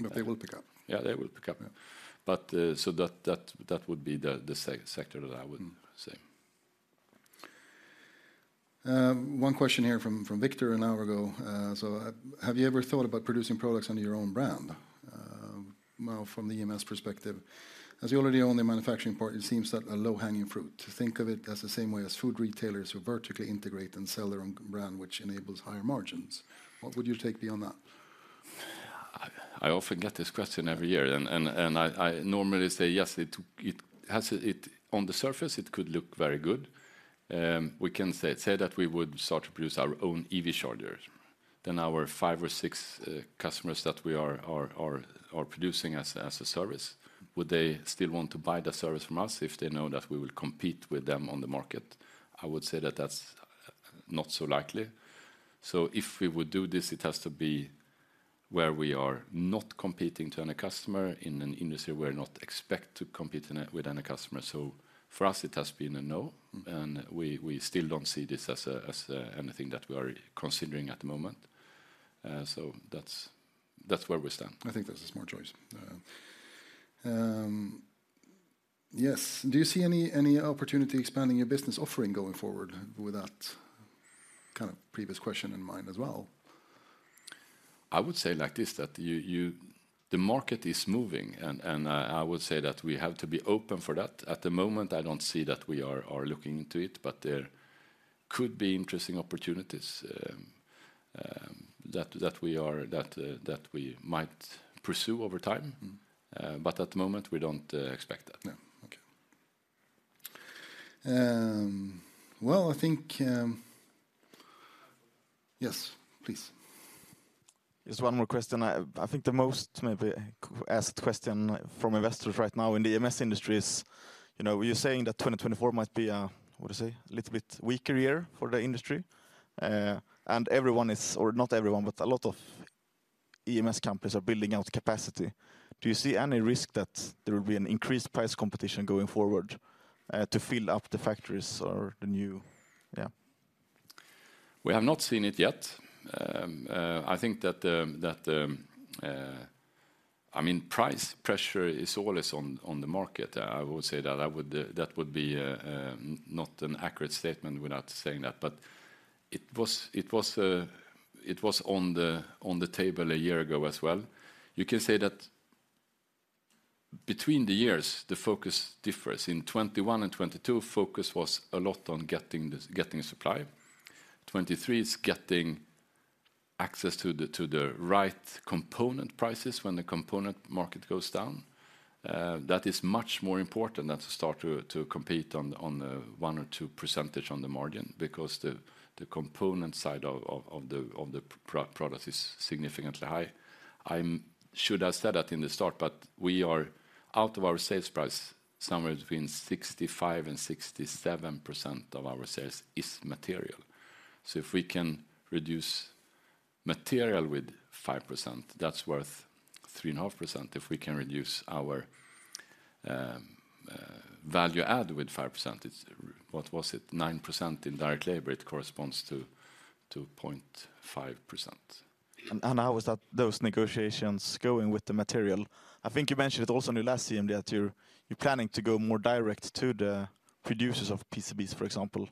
But they will pick up? Yeah, they will pick up. Yeah. That would be the sector that I would say. One question here from Viktor an hour ago. So, have you ever thought about producing products under your own brand? Well, from the EMS perspective, as you already own the manufacturing part, it seems that a low-hanging fruit, to think of it as the same way as food retailers who vertically integrate and sell their own brand, which enables higher margins. What would you take beyond that? I often get this question every year, and I normally say, yes, it has it on the surface, it could look very good. We can say that we would start to produce our own EV chargers, then our five or six customers that we are producing as a service, would they still want to buy the service from us if they know that we will compete with them on the market? I would say that that's not so likely. So if we would do this, it has to be where we are not competing to any customer, in an industry we're not expect to compete in a with any customer. So for us, it has been a no, and we still don't see this as anything that we are considering at the moment. That's where we stand. I think that's a smart choice. Yes. Do you see any opportunity expanding your business offering going forward with that kind of previous question in mind as well? I would say like this. The market is moving, and I would say that we have to be open for that. At the moment, I don't see that we are looking into it, but there could be interesting opportunities that we might pursue over time. Mm. But at the moment, we don't expect that. No. Okay. Well, I think... Yes, please. Just one more question. I think the most maybe asked question from investors right now in the EMS industry is, you know, you're saying that 2024 might be a, what you say? A little bit weaker year for the industry, and everyone is, or not everyone, but a lot of EMS companies are building out capacity. Do you see any risk that there will be an increased price competition going forward, to fill up the factories or the new... Yeah. We have not seen it yet. I think that the, I mean, price pressure is always on the market. I would say that, I would, that would be not an accurate statement without saying that, but it was, it was on the table a year ago as well. You can say that between the years, the focus differs. In 2021 and 2022, focus was a lot on getting supply. 2023 is getting access to the right component prices when the component market goes down. That is much more important than to start to compete on the 1% or 2% on the margin, because the component side of the product is significantly high. I should have said that in the start, but we are, out of our sales price, somewhere between 65%-67% of our sales is material. So if we can reduce material with 5%, that's worth 3.5%. If we can reduce our value add with 5%, it's what was it? 9% in direct labor, it corresponds to point 0.5%. And how is that, those negotiations going with the material? I think you mentioned it also in your last CMD, that you're planning to go more direct to the producers of PCBs, for example.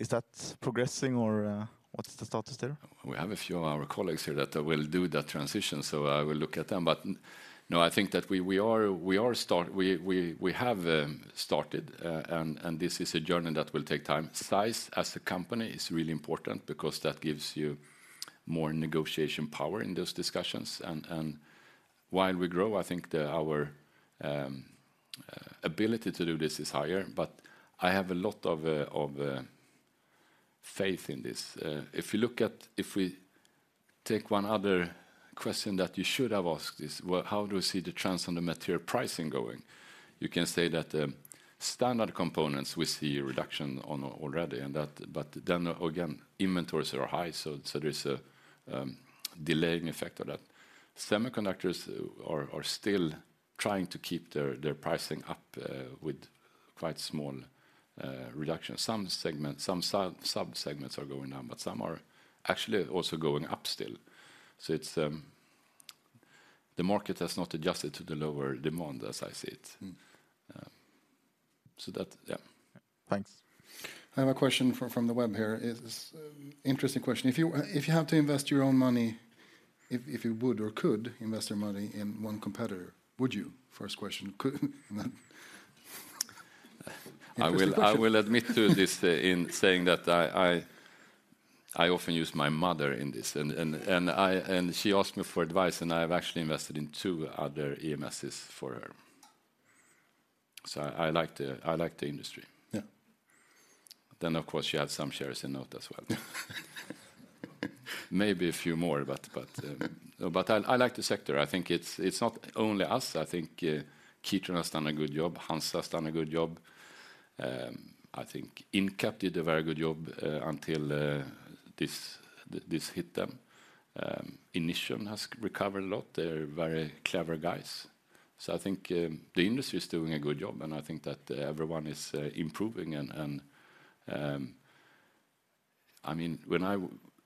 Is that progressing, or what's the status there? We have a few of our colleagues here that will do that transition, so I will look at them. But no, I think that we have started, and this is a journey that will take time. Size as a company is really important because that gives you more negotiation power in those discussions. And while we grow, I think our ability to do this is higher, but I have a lot of faith in this. If we take one other question that you should have asked is, well, how do we see the trends on the material pricing going? You can say that standard components, we see a reduction on already, and that... But then again, inventories are high, so there is a delaying effect of that. Semiconductors are still trying to keep their pricing up with quite small reduction. Some segments, some sub-segments are going down, but some are actually also going up still. So, it's the market has not adjusted to the lower demand as I see it. Mm. So that, yeah. Thanks. I have a question from the web here. It is interesting question. If you have to invest your own money, if you would or could invest your money in one competitor, would you? First question, could and then- I will admit to this in saying that I often use my mother in this, and she asked me for advice, and I have actually invested in two other EMSs for her. So I like the industry. Yeah. Then, of course, she had some shares in NOTE as well. Maybe a few more, but I like the sector. I think it's not only us. I think Kitron has done a good job, HANZA has done a good job. I think Incap did a very good job, until this hit them. Inission has recovered a lot. They're very clever guys. So I think the industry is doing a good job, and I think that everyone is improving. And I mean, when I...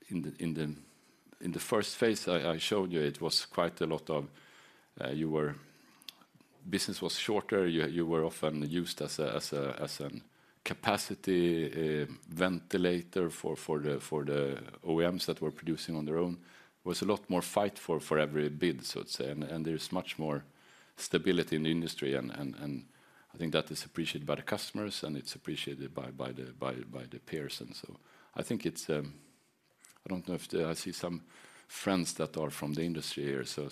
In the first phase I showed you, it was quite a lot of business was shorter. You were often used as a capacity ventilator for the OEMs that were producing on their own. It was a lot more fight for every bid, so to say, and there's much more stability in the industry, and I think that is appreciated by the customers, and it's appreciated by the peers, and so. I think it's. I don't know if I see some friends that are from the industry here. So,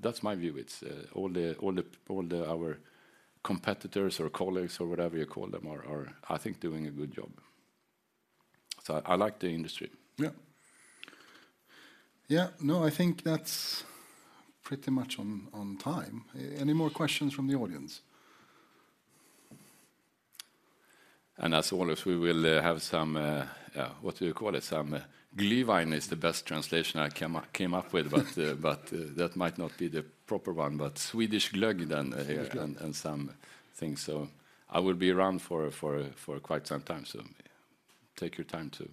that's my view. It's all our competitors or colleagues or whatever you call them are, I think, doing a good job. So I like the industry. Yeah. Yeah, no, I think that's pretty much on, on time. Any more questions from the audience? As always, we will have some, what do you call it? Some Glühwein is the best translation I came up with, but that might not be the proper one. But Swedish glögg then here- Yeah... and some things. So I will be around for quite some time, so take your time to-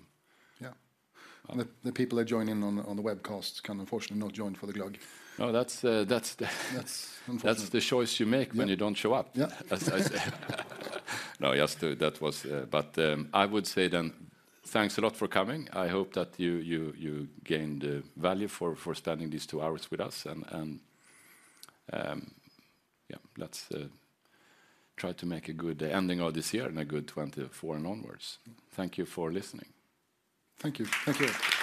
Yeah. The people are joining in on the webcast can unfortunately not join for the glögg. No, that's, that's the- That's- That's the choice you make- Yeah... when you don't show up. Yeah. As I say. No, yes, that was. But, I would say then, thanks a lot for coming. I hope that you gained value for spending these two hours with us, and, yeah, let's try to make a good ending of this year and a good 2024 and onwards. Thank you for listening. Thank you. Thank you.